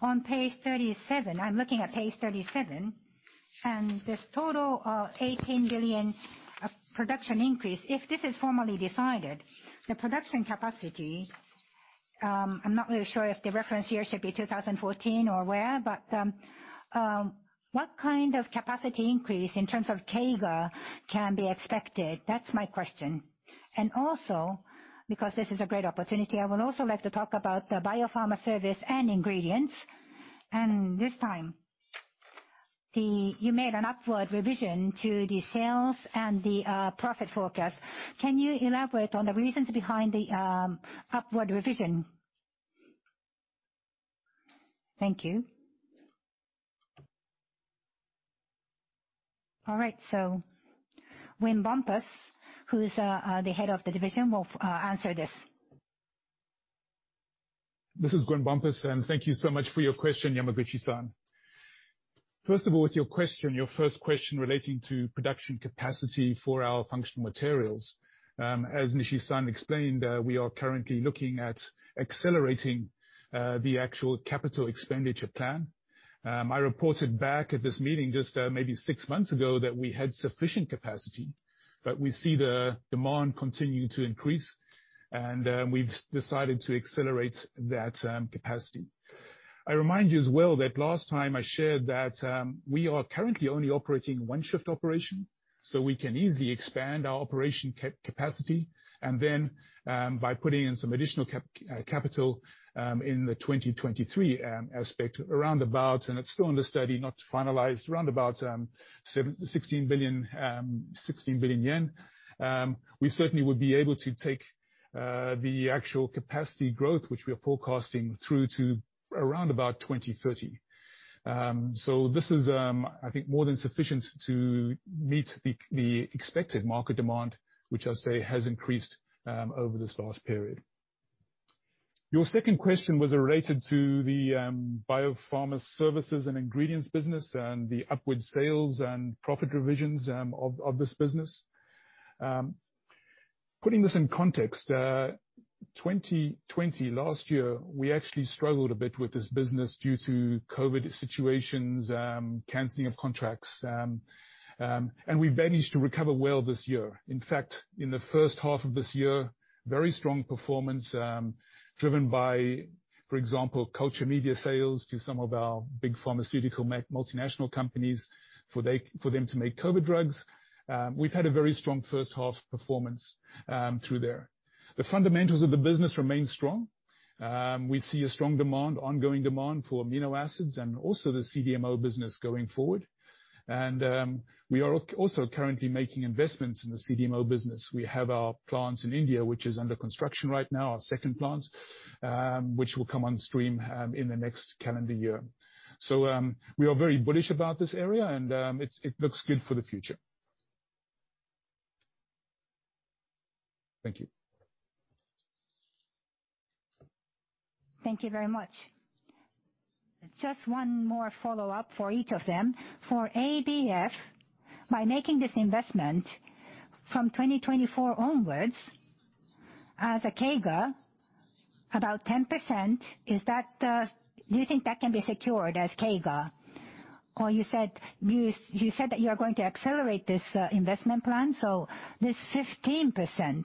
on page 37, I'm looking at page 37, and this total of 18 billion of production increase. If this is formally decided, the production capacity, I'm not really sure if the reference year should be 2014 or where, but what kind of capacity increase in terms of CAGR can be expected? That's my question. Because this is a great opportunity, I would also like to talk about the Bio-Pharma Services and ingredients. This time, you made an upward revision to the sales and the profit forecast. Can you elaborate on the reasons behind the upward revision? Thank you. All right. Gwinnett Bompas, who's the head of the division, will answer this. This is Gwinnett Bompas, and thank you so much for your question, Yamaguchi-san. First of all, with your question, your first question relating to production capacity for our Functional Materials, as Nishii-san explained, we are currently looking at accelerating the actual capital expenditure plan. I reported back at this meeting just maybe six months ago that we had sufficient capacity, but we see the demand continuing to increase, and we've decided to accelerate that capacity. I remind you as well that last time I shared that we are currently only operating one shift operation, so we can easily expand our operation capacity. Then, by putting in some additional capital in the 2023 aspect around about, and it's still under study, not finalized, around about 16 billion. We certainly would be able to take the actual capacity growth, which we are forecasting through to around about 2030. This is, I think more than sufficient to meet the expected market demand, which I say has increased over this last period. Your second question was related to the Bio-Pharma Services and ingredients business and the upward sales and profit revisions of this business. Putting this in context, 2020 last year, we actually struggled a bit with this business due to COVID situations, canceling of contracts, and we managed to recover well this year. In fact, in the first half of this year, very strong performance, driven by, for example, culture media sales to some of our big pharmaceutical multinational companies for them to make COVID drugs. We've had a very strong first half performance through there. The fundamentals of the business remain strong. We see a strong demand, ongoing demand for amino acids and also the CDMO business going forward. We are also currently making investments in the CDMO business. We have our plants in India, which is under construction right now, our second plant, which will come on stream in the next calendar year. We are very bullish about this area and it looks good for the future. Thank you. Thank you very much. Just one more follow-up for each of them. For ABF, by making this investment from 2024 onwards as a CAGR, about 10%, is that, do you think that can be secured as CAGR? Or you said you said that you are going to accelerate this investment plan. This 15%,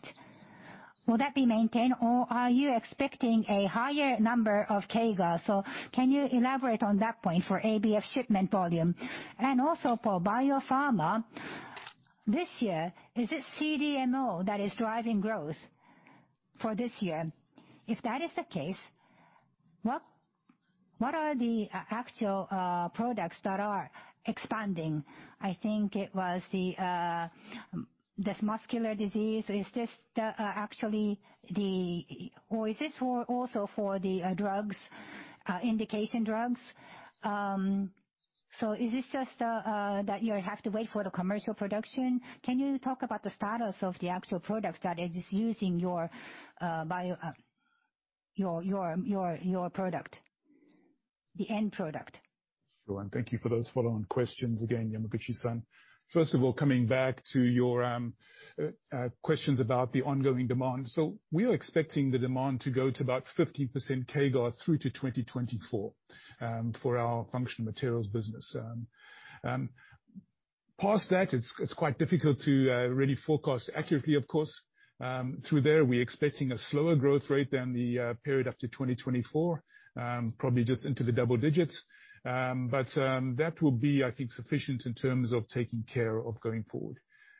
will that be maintained, or are you expecting a higher number of CAGR? Can you elaborate on that point for ABF shipment volume? Also for Bio-Pharma, this year, is it CDMO that is driving growth for this year? If that is the case, what are the actual products that are expanding? I think it was this muscular disease. Is this actually the. Or is this also for the drugs indication drugs? Is this just that you have to wait for the commercial production? Can you talk about the status of the actual products that are just using your bio product, the end product? Sure. Thank you for those follow-on questions again, Yamaguchi-san. First of all, coming back to your questions about the ongoing demand. We are expecting the demand to go to about 50% CAGR through to 2024 for our Functional Materials business. Past that, it's quite difficult to really forecast accurately, of course. Through there, we're expecting a slower growth rate than the period after 2024, probably just into the double digits. That will be, I think, sufficient in terms of taking care of going forward.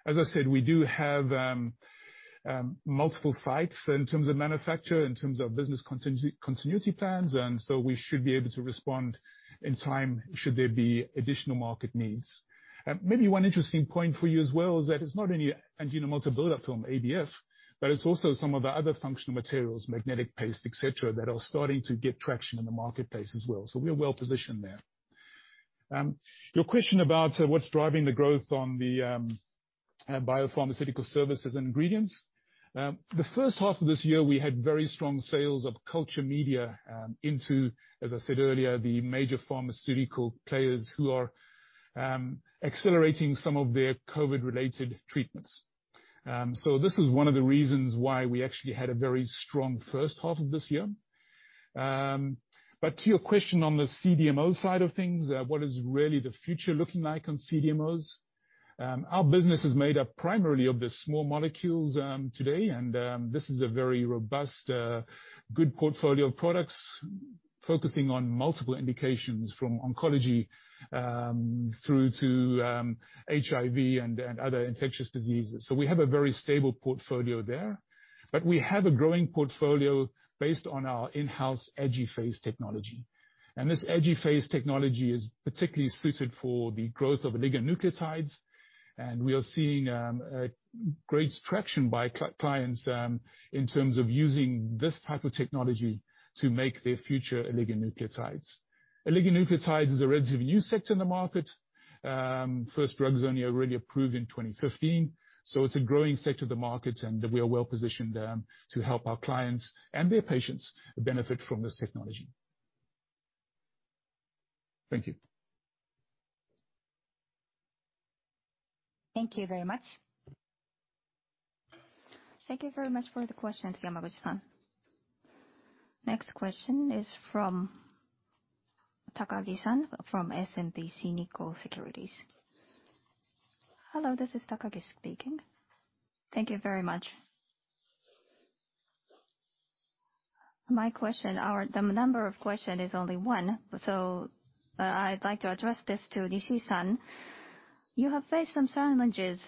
As I said, we do have multiple sites in terms of manufacture, in terms of business continuity plans, and we should be able to respond in time should there be additional market needs. Maybe one interesting point for you as well is that it's not only multilayer buildup from ABF, but it's also some of the other Functional Materials, magnetic paste, et cetera, that are starting to get traction in the marketplace as well. We are well-positioned there. Your question about what's driving the growth on the biopharmaceutical services and ingredients. The first half of this year we had very strong sales of culture media into, as I said earlier, the major pharmaceutical players who are accelerating some of their COVID-related treatments. This is one of the reasons why we actually had a very strong first half of this year. But to your question on the CDMO side of things, what is really the future looking like on CDMOs? Our business is made up primarily of the small molecules today, and this is a very robust good portfolio of products focusing on multiple indications from oncology through to HIV and other infectious diseases. We have a very stable portfolio there. We have a growing portfolio based on our in-house AJIPHASE Technology. This AJIPHASE Technology is particularly suited for the growth of oligonucleotides, and we are seeing a great traction by clients in terms of using this type of technology to make their future oligonucleotides. Oligonucleotides is a relatively new sector in the market. First drugs only were really approved in 2015, so it's a growing sector of the market, and we are well-positioned to help our clients and their patients benefit from this technology. Thank you. Thank you very much. Thank you very much for the questions, Yamaguchi-san. Next question is from Takagi-san from SMBC Nikko Securities. Hello, this is Takagi speaking. Thank you very much. My question. The number of question is only one, so, I'd like to address this to Nishi-san. You have faced some challenges,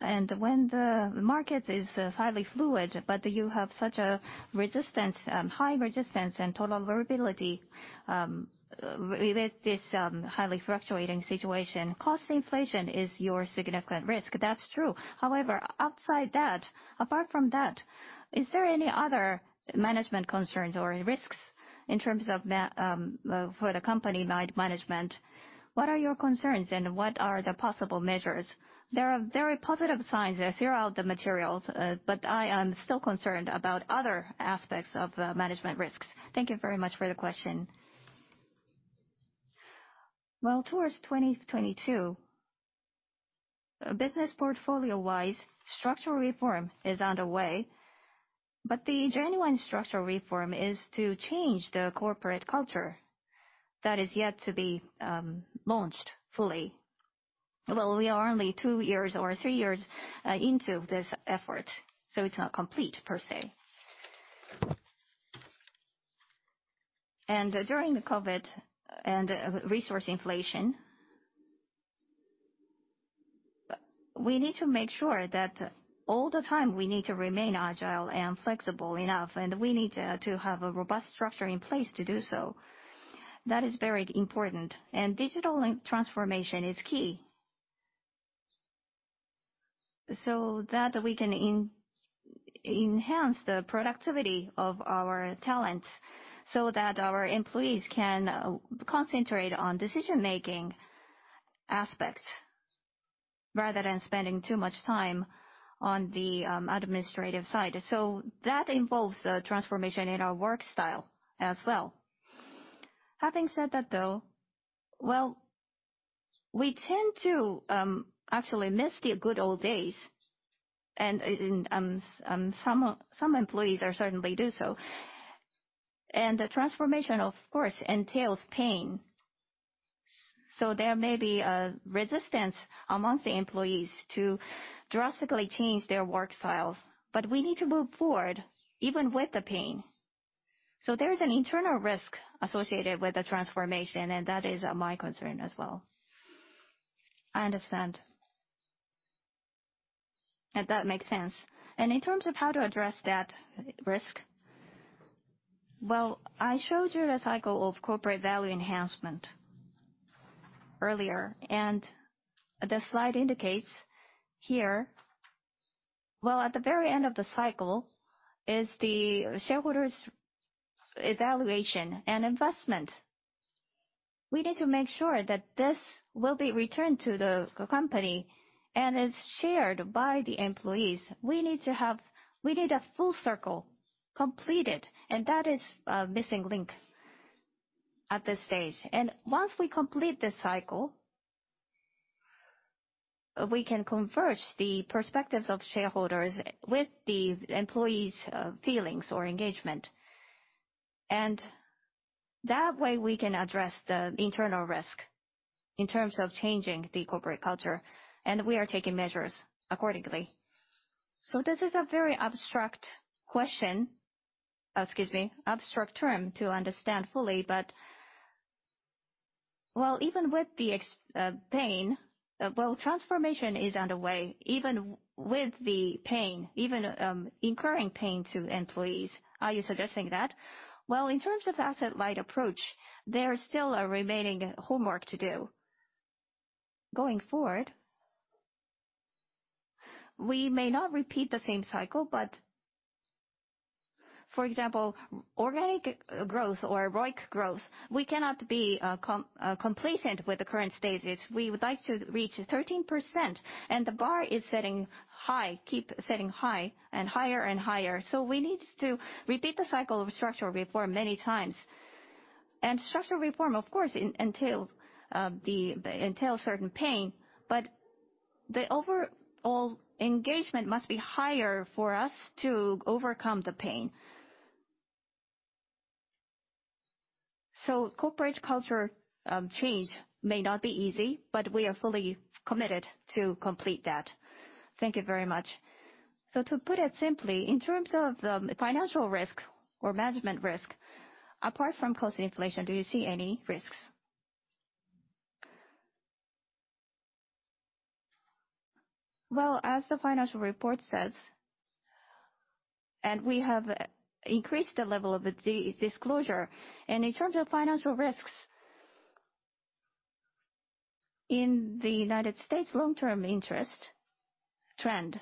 and when the market is highly fluid, but you have such a resistance, high resistance and total variability, with this highly fluctuating situation, cost inflation is your significant risk. That's true. However, outside that, apart from that, is there any other management concerns or risks in terms of, for the company management? What are your concerns, and what are the possible measures? There are very positive signs throughout the materials, but I am still concerned about other aspects of management risks. Thank you very much for the question. Towards 2022, business portfolio-wise, structural reform is underway. The genuine structural reform is to change the corporate culture that is yet to be launched fully. We are only two years or three years into this effort, so it's not complete per se. During the COVID-19 and resource inflation, we need to make sure that all the time we need to remain agile and flexible enough, and we need to have a robust structure in place to do so. That is very important. Digital transformation is key so that we can enhance the productivity of our talents so that our employees can concentrate on decision-making aspects rather than spending too much time on the administrative side. That involves a transformation in our work style as well. Having said that though, well, we tend to actually miss the good old days and some employees are certainly do so. The transformation of course entails pain, so there may be a resistance among the employees to drastically change their work styles. We need to move forward even with the pain. There's an internal risk associated with the transformation, and that is my concern as well. I understand. That makes sense. In terms of how to address that risk, well, I showed you the cycle of corporate value enhancement earlier. The slide indicates here, well, at the very end of the cycle is the shareholders' evaluation and investment. We need to make sure that this will be returned to the company and is shared by the employees. We need a full circle completed, and that is a missing link at this stage. Once we complete this cycle, we can converge the perspectives of shareholders with the employees' feelings or engagement. That way we can address the internal risk in terms of changing the corporate culture, and we are taking measures accordingly. This is a very abstract question. Excuse me, abstract term to understand fully. Even with the pain, transformation is underway even with the pain, incurring pain to employees. Are you suggesting that? In terms of asset light approach, there is still a remaining homework to do. Going forward We may not repeat the same cycle, but for example, organic growth or ROIC growth, we cannot be complacent with the current status. We would like to reach 13%, and the bar is setting high, keep setting high, and higher and higher. We need to repeat the cycle of structural reform many times. Structural reform of course entails certain pain, but the overall engagement must be higher for us to overcome the pain. Corporate culture change may not be easy, but we are fully committed to complete that. Thank you very much. To put it simply, in terms of financial risk or management risk, apart from cost inflation, do you see any risks? Well, as the financial report says, and we have increased the level of disclosure. In terms of financial risks, in the United States long-term interest trend,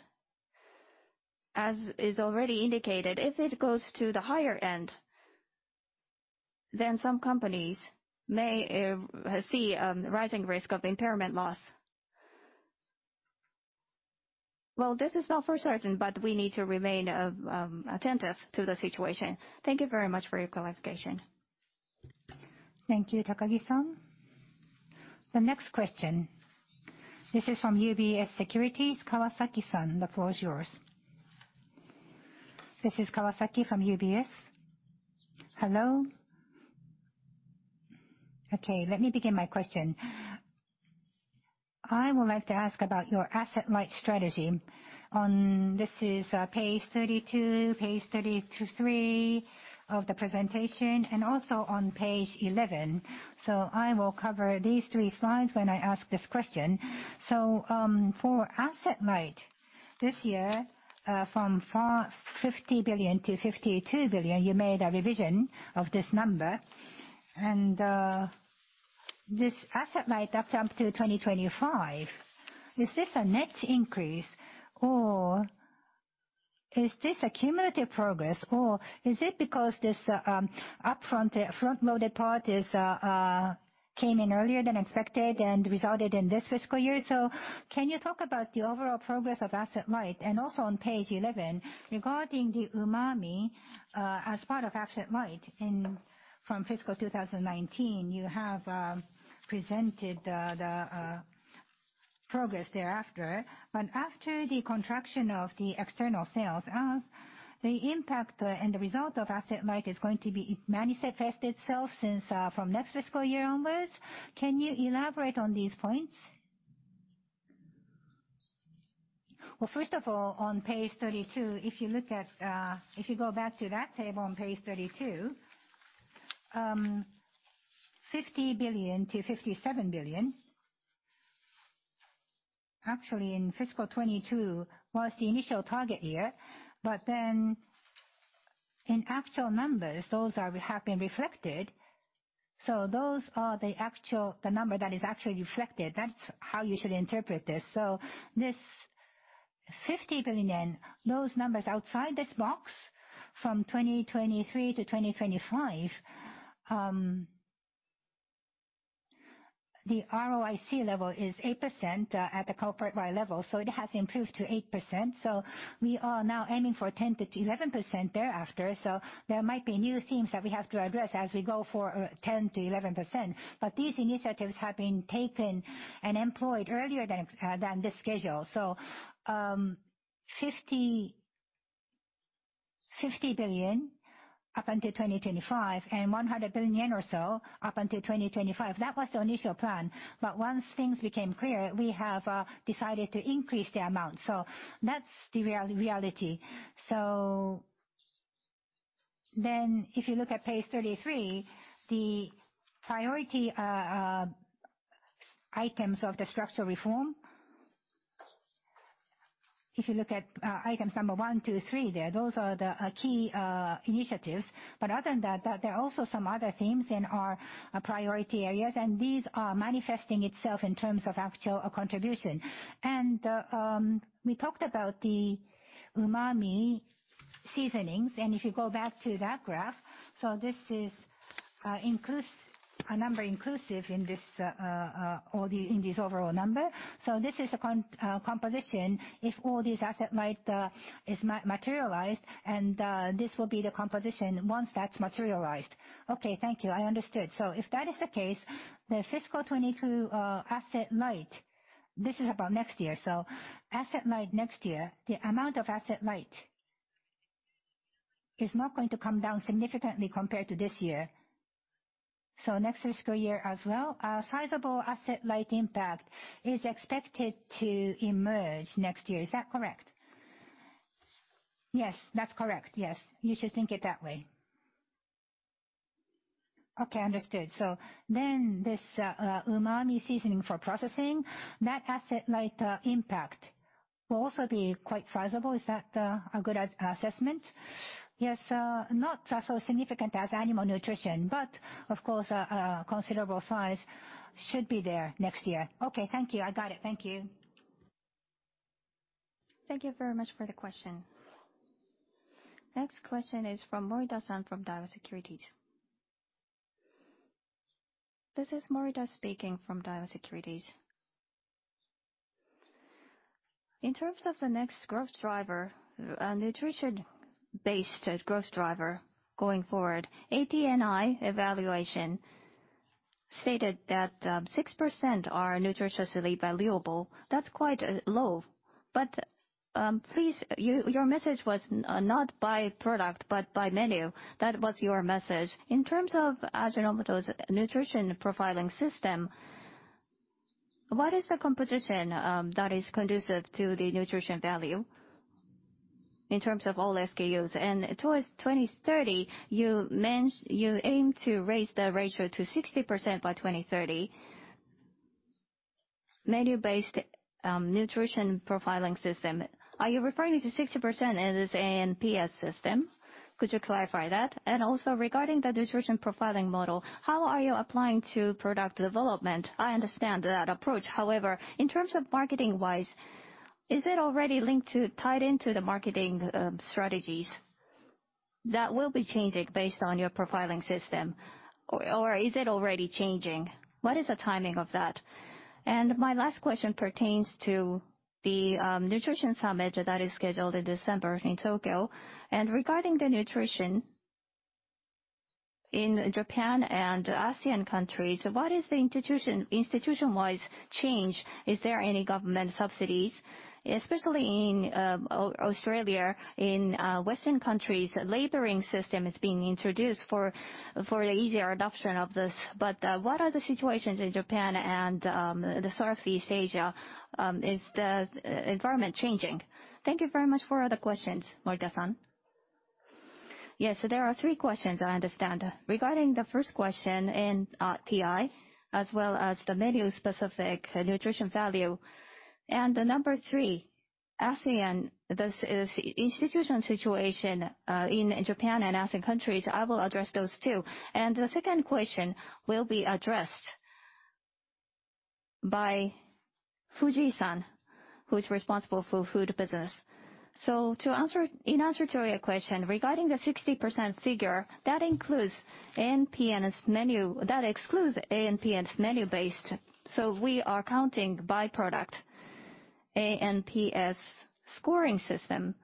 as is already indicated, if it goes to the higher end, then some companies may see rising risk of impairment loss. Well, this is not for certain, but we need to remain attentive to the situation. Thank you very much for your clarification. Thank you, Takagi-san. The next question, this is from UBS Securities, Kawasaki-san, the floor is yours. This is Kawasaki from UBS. Hello? Okay, let me begin my question. I would like to ask about your asset light strategy on, this is, page 32, page 33 of the presentation, and also on page 11. I will cover these three slides when I ask this question. For asset light this year, from 50 billion to 52 billion, you made a revision of this number. This asset light up until 2025, is this a net increase, or is this a cumulative progress, or is it because this, upfront, front-loaded part is came in earlier than expected and resulted in this fiscal year? Can you talk about the overall progress of asset light? Also on page 11, regarding the Umami, as part of asset light in, from fiscal 2019, you have presented the progress thereafter. After the contribution of the external sales, the impact and the result of asset light is going to manifest itself from next fiscal year onwards. Can you elaborate on these points? Well, first of all, on page 32, if you look at, if you go back to that table on page 32, JPY 50 billion-JPY 57 billion. Actually, in fiscal 2022 was the initial target year. Then in actual numbers, those have been reflected. Those are the actual number that is actually reflected. That's how you should interpret this. This 50 billion yen, those numbers outside this box from 2023 to 2025, the ROIC level is 8% at the corporate-wide level, it has improved to 8%. We are now aiming for 10%-11% thereafter. There might be new things that we have to address as we go for 10%-11%. These initiatives have been taken and employed earlier than this schedule. 50 billion up until 2025, and 100 billion or so up until 2025. That was the initial plan. Once things became clear, we have decided to increase the amount. That's the reality. If you look at page 33, the priority items of the structural reform. If you look at items number one, two, three there, those are the key initiatives. But other than that, there are also some other themes in our priority areas, and these are manifesting itself in terms of actual contribution. We talked about the umami seasonings, and if you go back to that graph. This is a number inclusive in this overall number. This is a composition if all these asset light is materialized, and this will be the composition once that's materialized. Okay. Thank you. I understood. If that is the case, the fiscal 2022 asset light, this is about next year. Asset light next year, the amount of asset light is not going to come down significantly compared to this year. Next fiscal year as well, a sizable asset light impact is expected to emerge next year. Is that correct? Yes, that's correct. Yes. You should think it that way. Okay. Understood. This umami seasoning for processing, that asset light impact will also be quite sizable. Is that a good assessment? Yes, not as significant as animal nutrition, but of course a considerable size should be there next year. Okay. Thank you. I got it. Thank you. Thank you very much for the question. Next question is from Morita-san from Daiwa Securities. This is Morita speaking from Daiwa Securities. In terms of the next growth driver, nutrition-based growth driver going forward, ATNI evaluation stated that, 6% are nutritionally valuable. That's quite low. Please, your message was not by product, but by menu. That was your message. In terms of Ajinomoto's nutrition profiling system, what is the composition, that is conducive to the nutrition value in terms of all SKUs? Towards 2030, you aim to raise the ratio to 60% by 2030. Menu-based, nutrition profiling system, are you referring to 60% as ANPS system? Could you clarify that? Regarding the nutrition profiling model, how are you applying to product development? I understand that approach. However, in terms of marketing-wise, is it already linked to, tied into the marketing, strategies that will be changing based on your profiling system, or is it already changing? What is the timing of that? My last question pertains to the nutrition summit that is scheduled in December in Tokyo. Regarding the nutrition in Japan and ASEAN countries, what is the institution-wise change? Is there any government subsidies, especially in Australia, in Western countries, labeling system is being introduced for the easier adoption of this. What are the situations in Japan and the Southeast Asia, is the environment changing? Thank you very much for the questions, Morita-san. Yes. There are three questions, I understand. Regarding the first question in TI, as well as the menu-specific nutrition value, and the number three, ASEAN, this is institutional situation in Japan and ASEAN countries. I will address those two. The second question will be addressed by Fujie-san, who's responsible for food business. To answer, in answer to your question, regarding the 60% figure, that includes ANPS menu, that excludes ANPS menu-based. We are counting by product. ANPS scoring system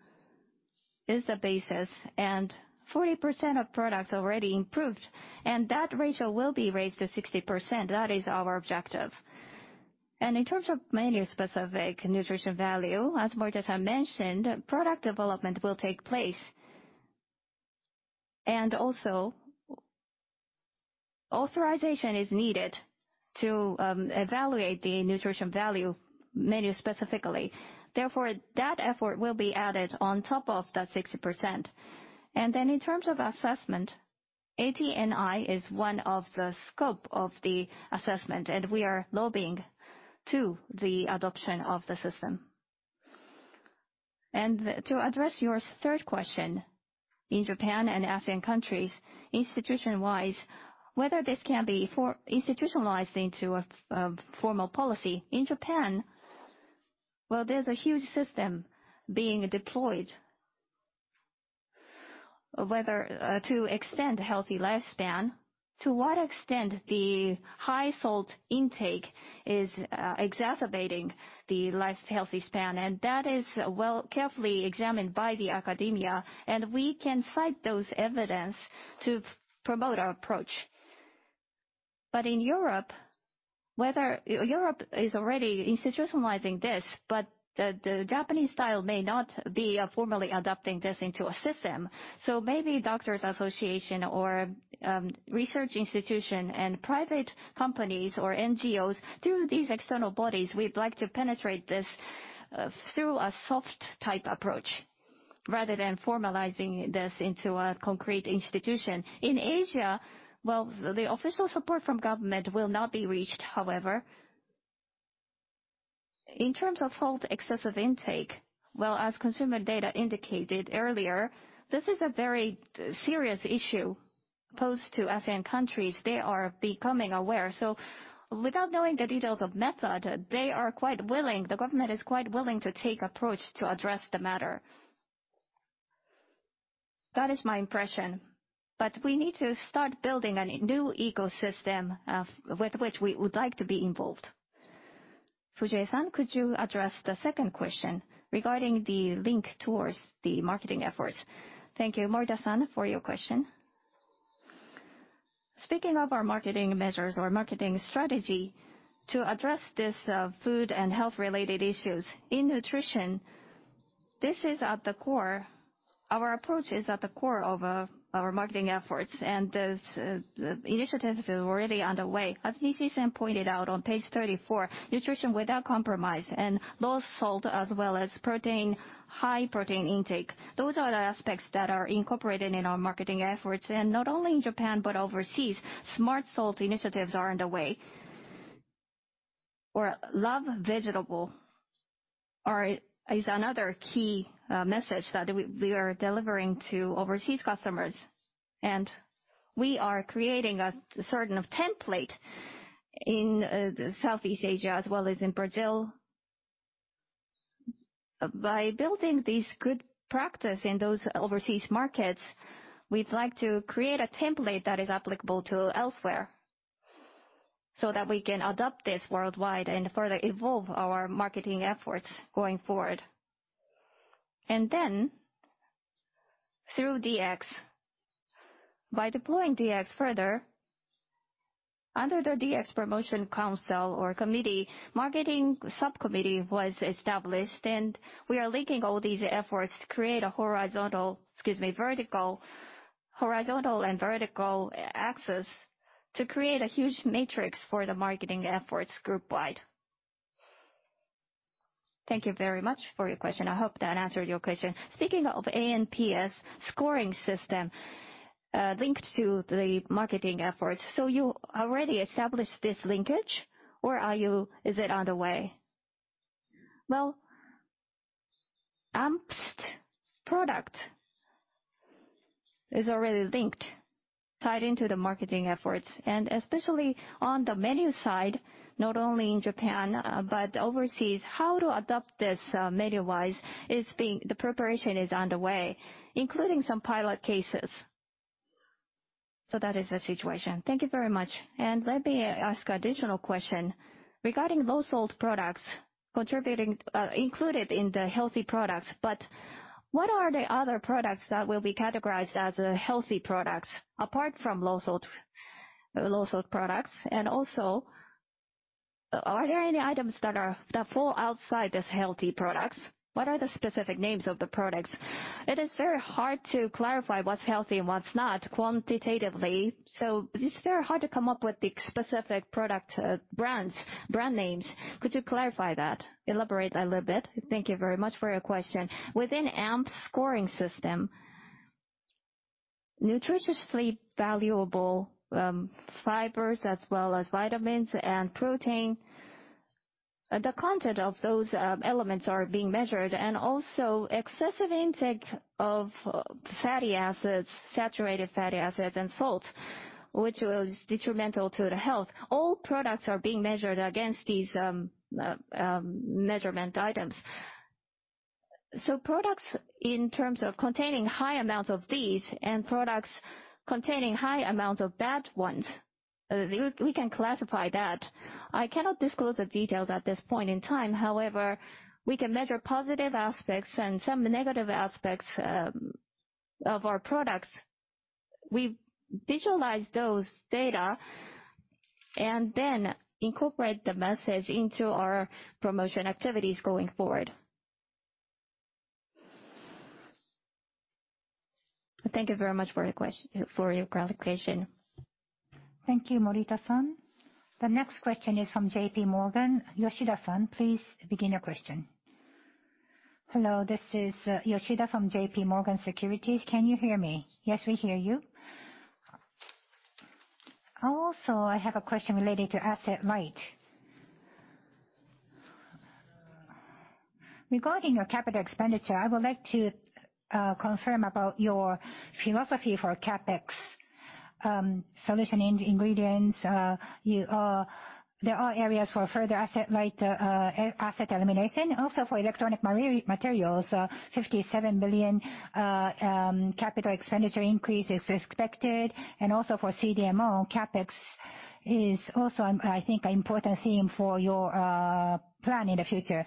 is the basis, and 40% of products already improved, and that ratio will be raised to 60%. That is our objective. In terms of menu-specific nutrition value, as Morita-san mentioned, product development will take place. Also, authorization is needed to evaluate the nutrition value menu specifically. Therefore, that effort will be added on top of the 60%. In terms of assessment, ATNI is one of the scope of the assessment, and we are lobbying to the adoption of the system. To address your third question, in Japan and ASEAN countries, institution-wise, whether this can be institutionalized into a formal policy. In Japan, well, there's a huge system being deployed, whether to extend healthy lifespan, to what extent the high salt intake is exacerbating the healthy lifespan. And that is, well, carefully examined by academia, and we can cite those evidence to promote our approach. In Europe is already institutionalizing this, but the Japanese style may not be formally adopting this into a system. Maybe doctors association or research institution and private companies or NGOs, through these external bodies, we'd like to penetrate this through a soft type approach rather than formalizing this into a concrete institution. In Asia, the official support from government will not be reached, however. In terms of excessive salt intake, as consumer data indicated earlier, this is a very serious issue posed to ASEAN countries. They are becoming aware. Without knowing the details of method, they are quite willing, the government is quite willing to take approach to address the matter. That is my impression. We need to start building a new ecosystem with which we would like to be involved. Fujie-san, could you address the second question regarding the link towards the marketing efforts? Thank you, Morita-san, for your question. Speaking of our marketing measures or marketing strategy to address this food and health related issues in nutrition, this is at the core, our approach is at the core of our marketing efforts. This initiative is already underway. As Nishi-san pointed out on page 34, Nutrition Without Compromise and low salt as well as high protein intake, those are the aspects that are incorporated in our marketing efforts. Not only in Japan, but overseas, Smart Salt initiatives are underway. Our Love Vegetable is another key message that we are delivering to overseas customers. We are creating a certain template in Southeast Asia as well as in Brazil. By building this good practice in those overseas markets, we'd like to create a template that is applicable to elsewhere, so that we can adopt this worldwide and further evolve our marketing efforts going forward. Through DX, by deploying DX further, under the DX promotion council or committee, marketing subcommittee was established and we are linking all these efforts to create a horizontal and vertical axis to create a huge matrix for the marketing efforts group wide. Thank you very much for your question. I hope that answered your question. Speaking of ANPS scoring system, linked to the marketing efforts, so you already established this linkage or are you, is it on the way? Well, ANPS's product is already linked, tied into the marketing efforts, and especially on the menu side, not only in Japan, but overseas. How to adopt this menu-wise, the preparation is underway, including some pilot cases. That is the situation. Thank you very much. Let me ask additional question. Regarding low-salt products contributing, included in the healthy products, but what are the other products that will be categorized as, healthy products apart from low-salt products? Also, are there any items that fall outside this healthy products? What are the specific names of the products? It is very hard to clarify what's healthy and what's not quantitatively. It's very hard to come up with the specific product, brands, brand names. Could you clarify that? Elaborate a little bit. Thank you very much for your question. Within ANPS, nutritionally valuable fibers as well as vitamins and protein, the content of those elements are being measured, and also excessive intake of fatty acids, saturated fatty acids and salts, which is detrimental to the health. All products are being measured against these measurement items. Products in terms of containing high amounts of these and products containing high amounts of bad ones, we can classify that. I cannot disclose the details at this point in time. However, we can measure positive aspects and some negative aspects of our products. We visualize those data and then incorporate the message into our promotion activities going forward. Thank you very much for your clarification. Thank you, Morita-san. The next question is from JP Morgan. Yoshida-san, please begin your question. Hello, this is Yoshida from JP Morgan Securities. Can you hear me? Yes, we hear you. Also, I have a question related to asset light. Regarding your capital expenditure, I would like to confirm about your philosophy for CapEx in S&I. There are areas for further asset light, asset elimination. Also for Electronic Materials, 57 billion capital expenditure increase is expected, and also for CDMO, CapEx is also an important theme for your plan in the future.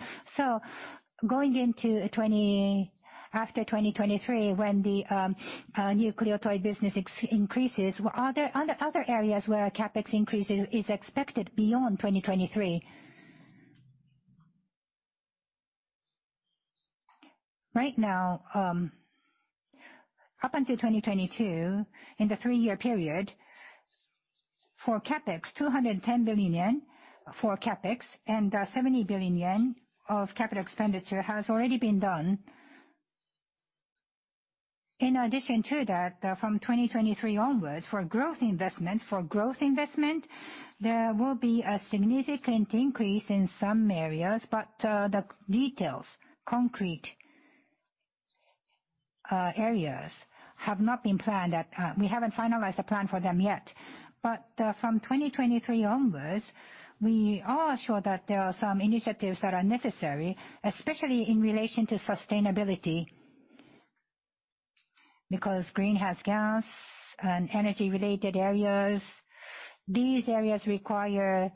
Going into 2024 after 2023 when the nucleotide business increases, are there other areas where CapEx increase is expected beyond 2023? Right now, up until 2022, in the three-year period, for CapEx, 210 billion yen for CapEx and 70 billion yen of capital expenditure has already been done. In addition to that, from 2023 onwards, for growth investment, there will be a significant increase in some areas, but the details, concrete areas have not been planned yet. We haven't finalized the plan for them yet. From 2023 onwards, we are sure that there are some initiatives that are necessary, especially in relation to sustainability. Because greenhouse gas and energy related areas, these areas require.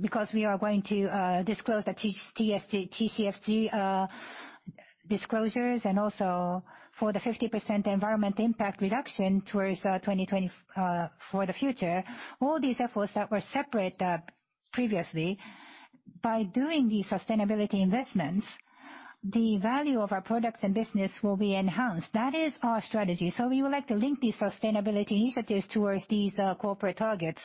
Because we are going to disclose the TCFD disclosures and also for the 50% environment impact reduction towards 2020 for the future. All these efforts that were separate previously, by doing the sustainability investments, the value of our products and business will be enhanced. That is our strategy. We would like to link these sustainability initiatives towards these corporate targets.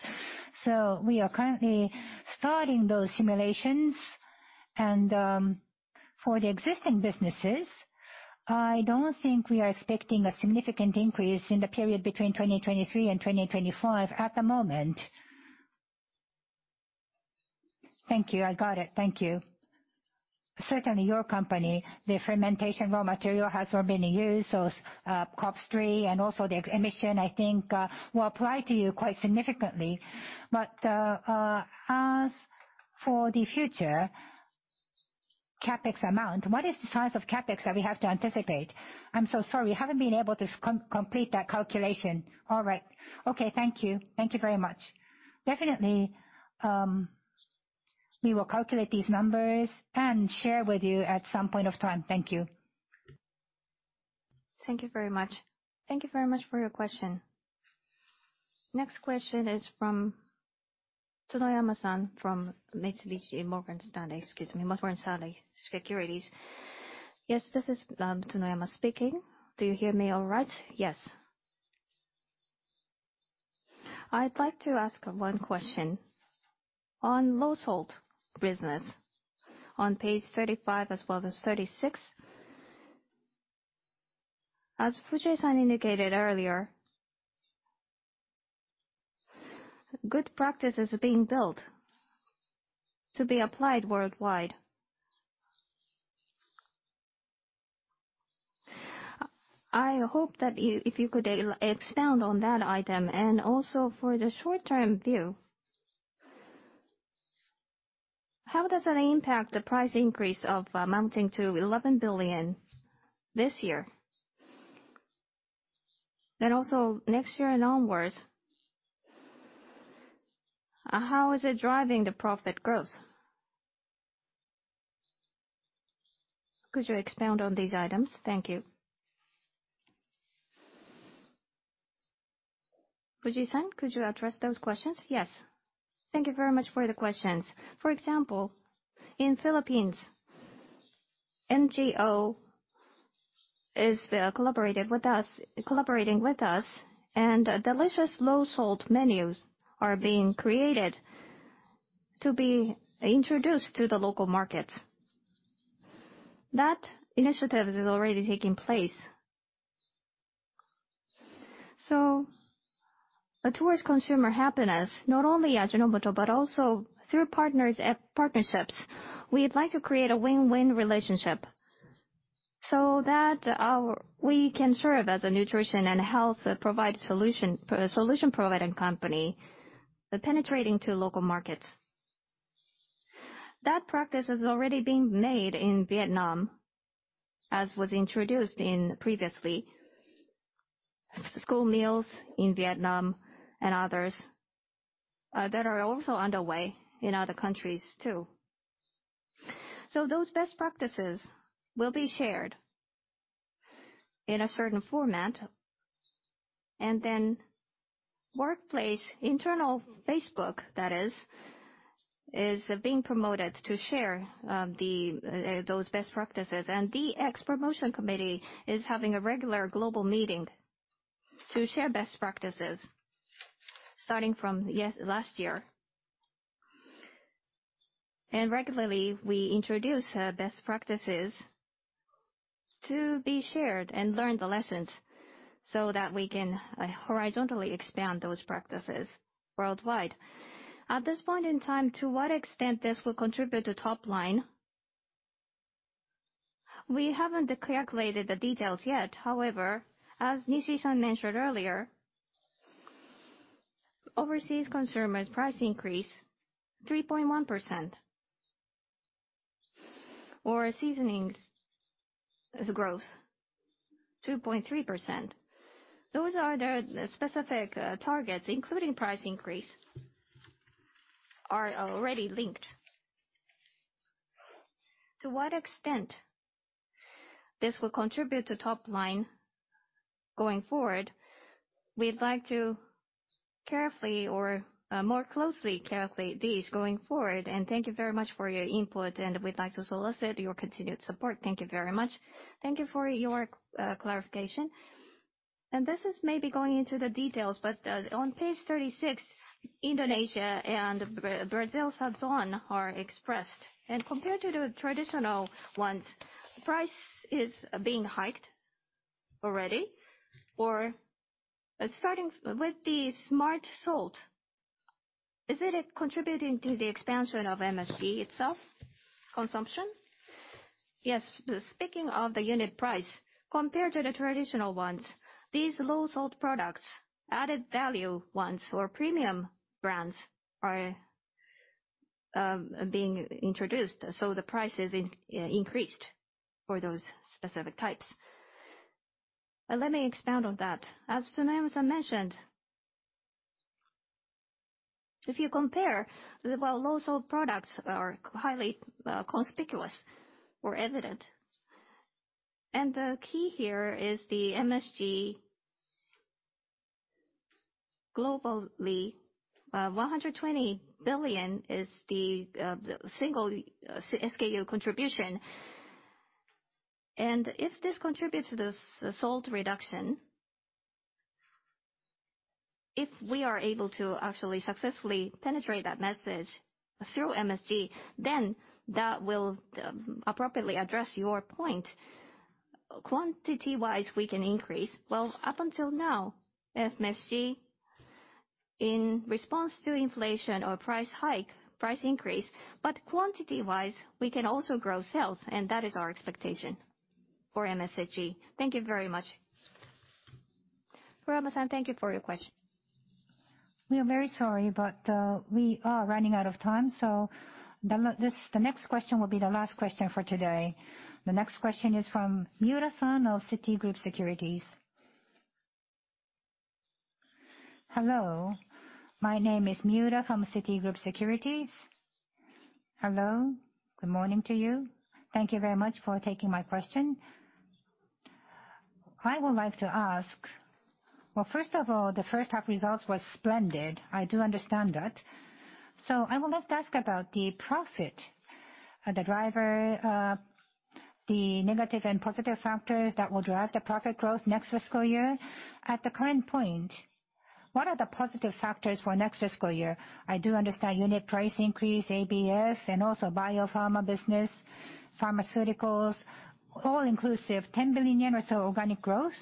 We are currently starting those simulations and for the existing businesses, I don't think we are expecting a significant increase in the period between 2023 and 2025 at the moment. Thank you. I got it. Thank you. Certainly your company, the fermentation raw material has already been used, so, Scope 3 and also the emissions I think will apply to you quite significantly. As for the future CapEx amount, what is the size of CapEx that we have to anticipate? I'm so sorry. We haven't been able to complete that calculation. All right. Okay. Thank you. Thank you very much. Definitely, we will calculate these numbers and share with you at some point of time. Thank you. Thank you very much. Thank you very much for your question. Next question is from Tsunayama-san from Mitsubishi and Morgan Stanley Securities, excuse me, Morgan Stanley Securities. Yes, this is, Tsunayama speaking. Do you hear me all right? Yes. I'd like to ask one question. On low salt business, on page 35 as well as 36. As Fujii-san indicated earlier, good practice is being built to be applied worldwide. I hope that if you could expound on that item. For the short-term view, how does that impact the price increase amounting to 11 billion this year? Next year and onwards, how is it driving the profit growth? Could you expound on these items? Thank you. Fujie-san, could you address those questions? Yes. Thank you very much for the questions. For example, in Philippines, NGO is collaborating with us, and delicious low salt menus are being created to be introduced to the local markets. That initiative is already taking place. Towards consumer happiness, not only at Ajinomoto, but also through partners, partnerships, we'd like to create a win-win relationship so that we can serve as a nutrition and health solution providing company, penetrating to local markets. That practice is already being made in Vietnam, as was introduced previously. School meals in Vietnam and others that are also underway in other countries too. Those best practices will be shared in a certain format. Then workplace internal Facebook that is being promoted to share the those best practices. The X promotion committee is having a regular global meeting to share best practices starting from yes last year. Regularly we introduce best practices to be shared and learn the lessons so that we can horizontally expand those practices worldwide. At this point in time, to what extent this will contribute to top line, we haven't calculated the details yet. However, as Nishii-san mentioned earlier, overseas consumer price increase 3.1%, and seasonings sales growth 2.3%. Those are the specific targets, including price increase, are already linked. To what extent this will contribute to top line going forward, we'd like to carefully or more closely calculate these going forward. Thank you very much for your input, and we'd like to solicit your continued support. Thank you very much. Thank you for your clarification. This is maybe going into the details, but on page 36, Indonesia and Brazil's Amazon are expressed. Compared to the traditional ones, price is being hiked already. Starting with the Smart Salt, is it contributing to the expansion of MSG itself consumption? Yes. Speaking of the unit price, compared to the traditional ones, these low salt products, added value ones or premium brands are being introduced, so the price is increased for those specific types. Let me expound on that. As Tsunayama-san mentioned, if you compare, low salt products are highly conspicuous or evident. The key here is the MSG globally, 120 billion is the single SKU contribution. If this contributes to the salt reduction- If we are able to actually successfully penetrate that message through MSG, then that will appropriately address your point. Quantity-wise, we can increase. Well, up until now, MSG in response to inflation or price hike, price increase, but quantity-wise we can also grow sales, and that is our expectation for MSG. Thank you very much. Kurama-san, thank you for your question. We are very sorry, but we are running out of time, so this, the next question will be the last question for today. The next question is from Miura-san of Citigroup Securities. Hello, my name is Miura from Citigroup Securities. Hello, good morning to you. Thank you very much for taking my question. I would like to ask. Well, first of all, the first half results were splendid. I do understand that. I would like to ask about the profit, the driver, the negative and positive factors that will drive the profit growth next fiscal year. At the current point, what are the positive factors for next fiscal year? I do understand unit price increase, ABF, and also biopharma business, pharmaceuticals, all inclusive, 10 billion yen or so organic growth,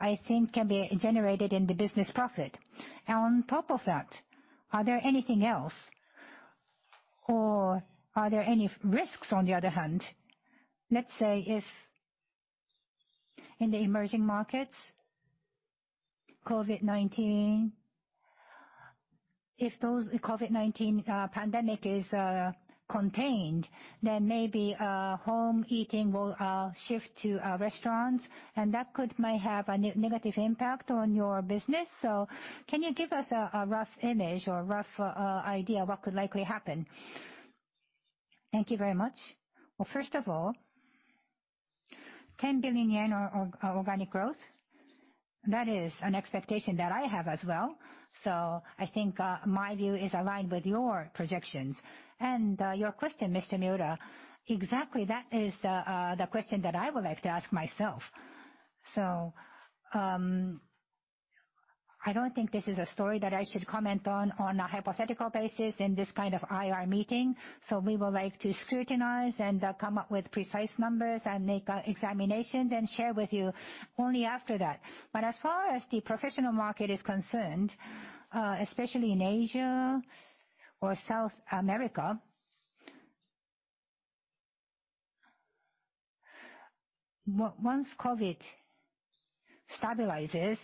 I think can be generated in the business profit. On top of that, are there anything else or are there any risks on the other hand? Let's say if in the emerging markets, COVID-19, if the COVID-19 pandemic is contained, then maybe, home eating will shift to restaurants and that could, might have a negative impact on your business. Can you give us a rough image or rough idea what could likely happen? Thank you very much. Well, first of all, 10 billion yen or organic growth, that is an expectation that I have as well. I think my view is aligned with your projections. Your question, Mr. Miura, exactly that is the question that I would like to ask myself. I don't think this is a story that I should comment on a hypothetical basis in this kind of IR meeting. We would like to scrutinize and come up with precise numbers and make examinations and share with you only after that. As far as the professional market is concerned, especially in Asia or South America, once COVID stabilizes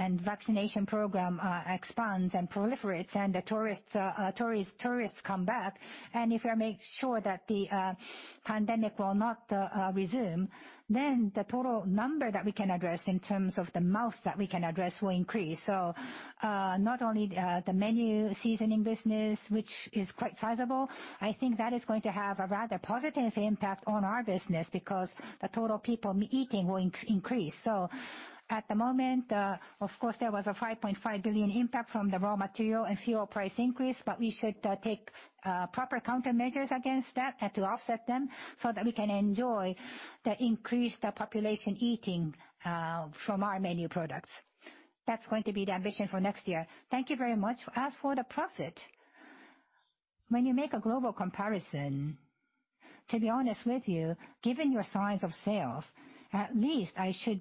and vaccination program expands and proliferates and the tourists come back, and if we make sure that the pandemic will not resume, then the total number that we can address in terms of the mouth that we can address will increase. Not only the menu seasoning business, which is quite sizable, I think that is going to have a rather positive impact on our business because the total people eating will increase. At the moment, of course there was a 5.5 billion impact from the raw material and fuel price increase, but we should take proper countermeasures against that and to offset them so that we can enjoy the increased population eating from our menu products. That's going to be the ambition for next year. Thank you very much. As for the profit, when you make a global comparison, to be honest with you, given your size of sales, at least you should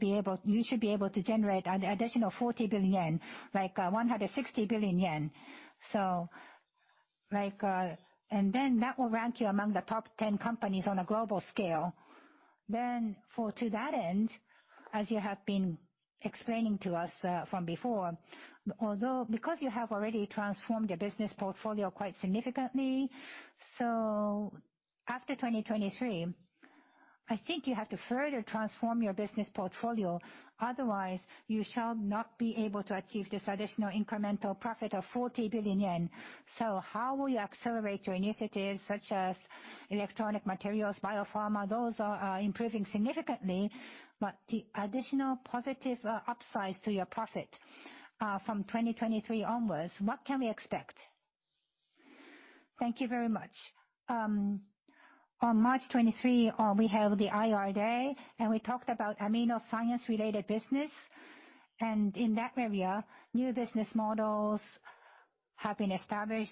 be able to generate an additional 40 billion yen, like, 160 billion yen. Like, and then that will rank you among the top 10 companies on a global scale. To that end, as you have been explaining to us from before, although because you have already transformed your business portfolio quite significantly, after 2023, I think you have to further transform your business portfolio, otherwise you shall not be able to achieve this additional incremental profit of 40 billion yen. How will you accelerate your initiatives such as electronic materials, biopharma? Those are improving significantly, but the additional positive upsides to your profit from 2023 onwards, what can we expect? Thank you very much. On March 2023, we have the IR Day and we talked about amino science-related business. In that area, new business models have been established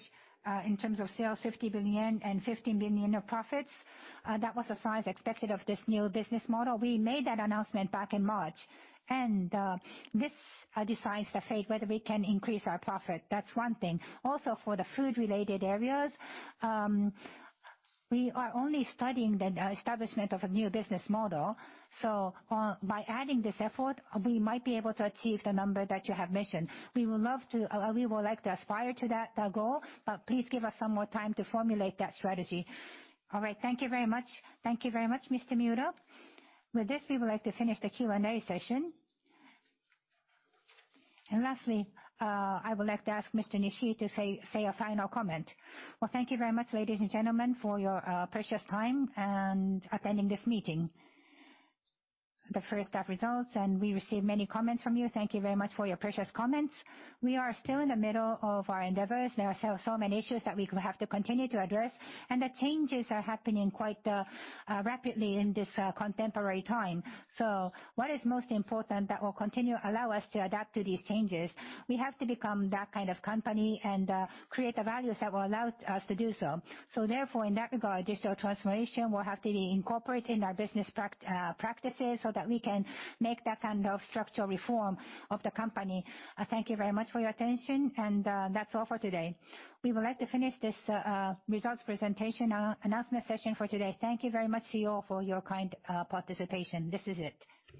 in terms of sales, 50 billion and 15 billion of profits. That was the size expected of this new business model. We made that announcement back in March. This decides the fate whether we can increase our profit. That's one thing. Also, for the food-related areas, we are only studying the establishment of a new business model. By adding this effort, we might be able to achieve the number that you have mentioned. We would love to, we would like to aspire to that goal, but please give us some more time to formulate that strategy. All right. Thank you very much. Thank you very much, Mr. Miura. With this, we would like to finish the Q&A session. Lastly, I would like to ask Mr. Nishii to say a final comment. Well, thank you very much, ladies and gentlemen, for your precious time and attending this meeting for the first half results, and we received many comments from you. Thank you very much for your precious comments. We are still in the middle of our endeavors. There are so many issues that we have to continue to address, and the changes are happening quite rapidly in this contemporary time. What is most important that will continue allow us to adapt to these changes, we have to become that kind of company and create the values that will allow us to do so. Therefore, in that regard, digital transformation will have to be incorporated in our business practices so that we can make that kind of structural reform of the company. Thank you very much for your attention and that's all for today. We would like to finish this results presentation announcement session for today. Thank you very much to you all for your kind participation. This is it.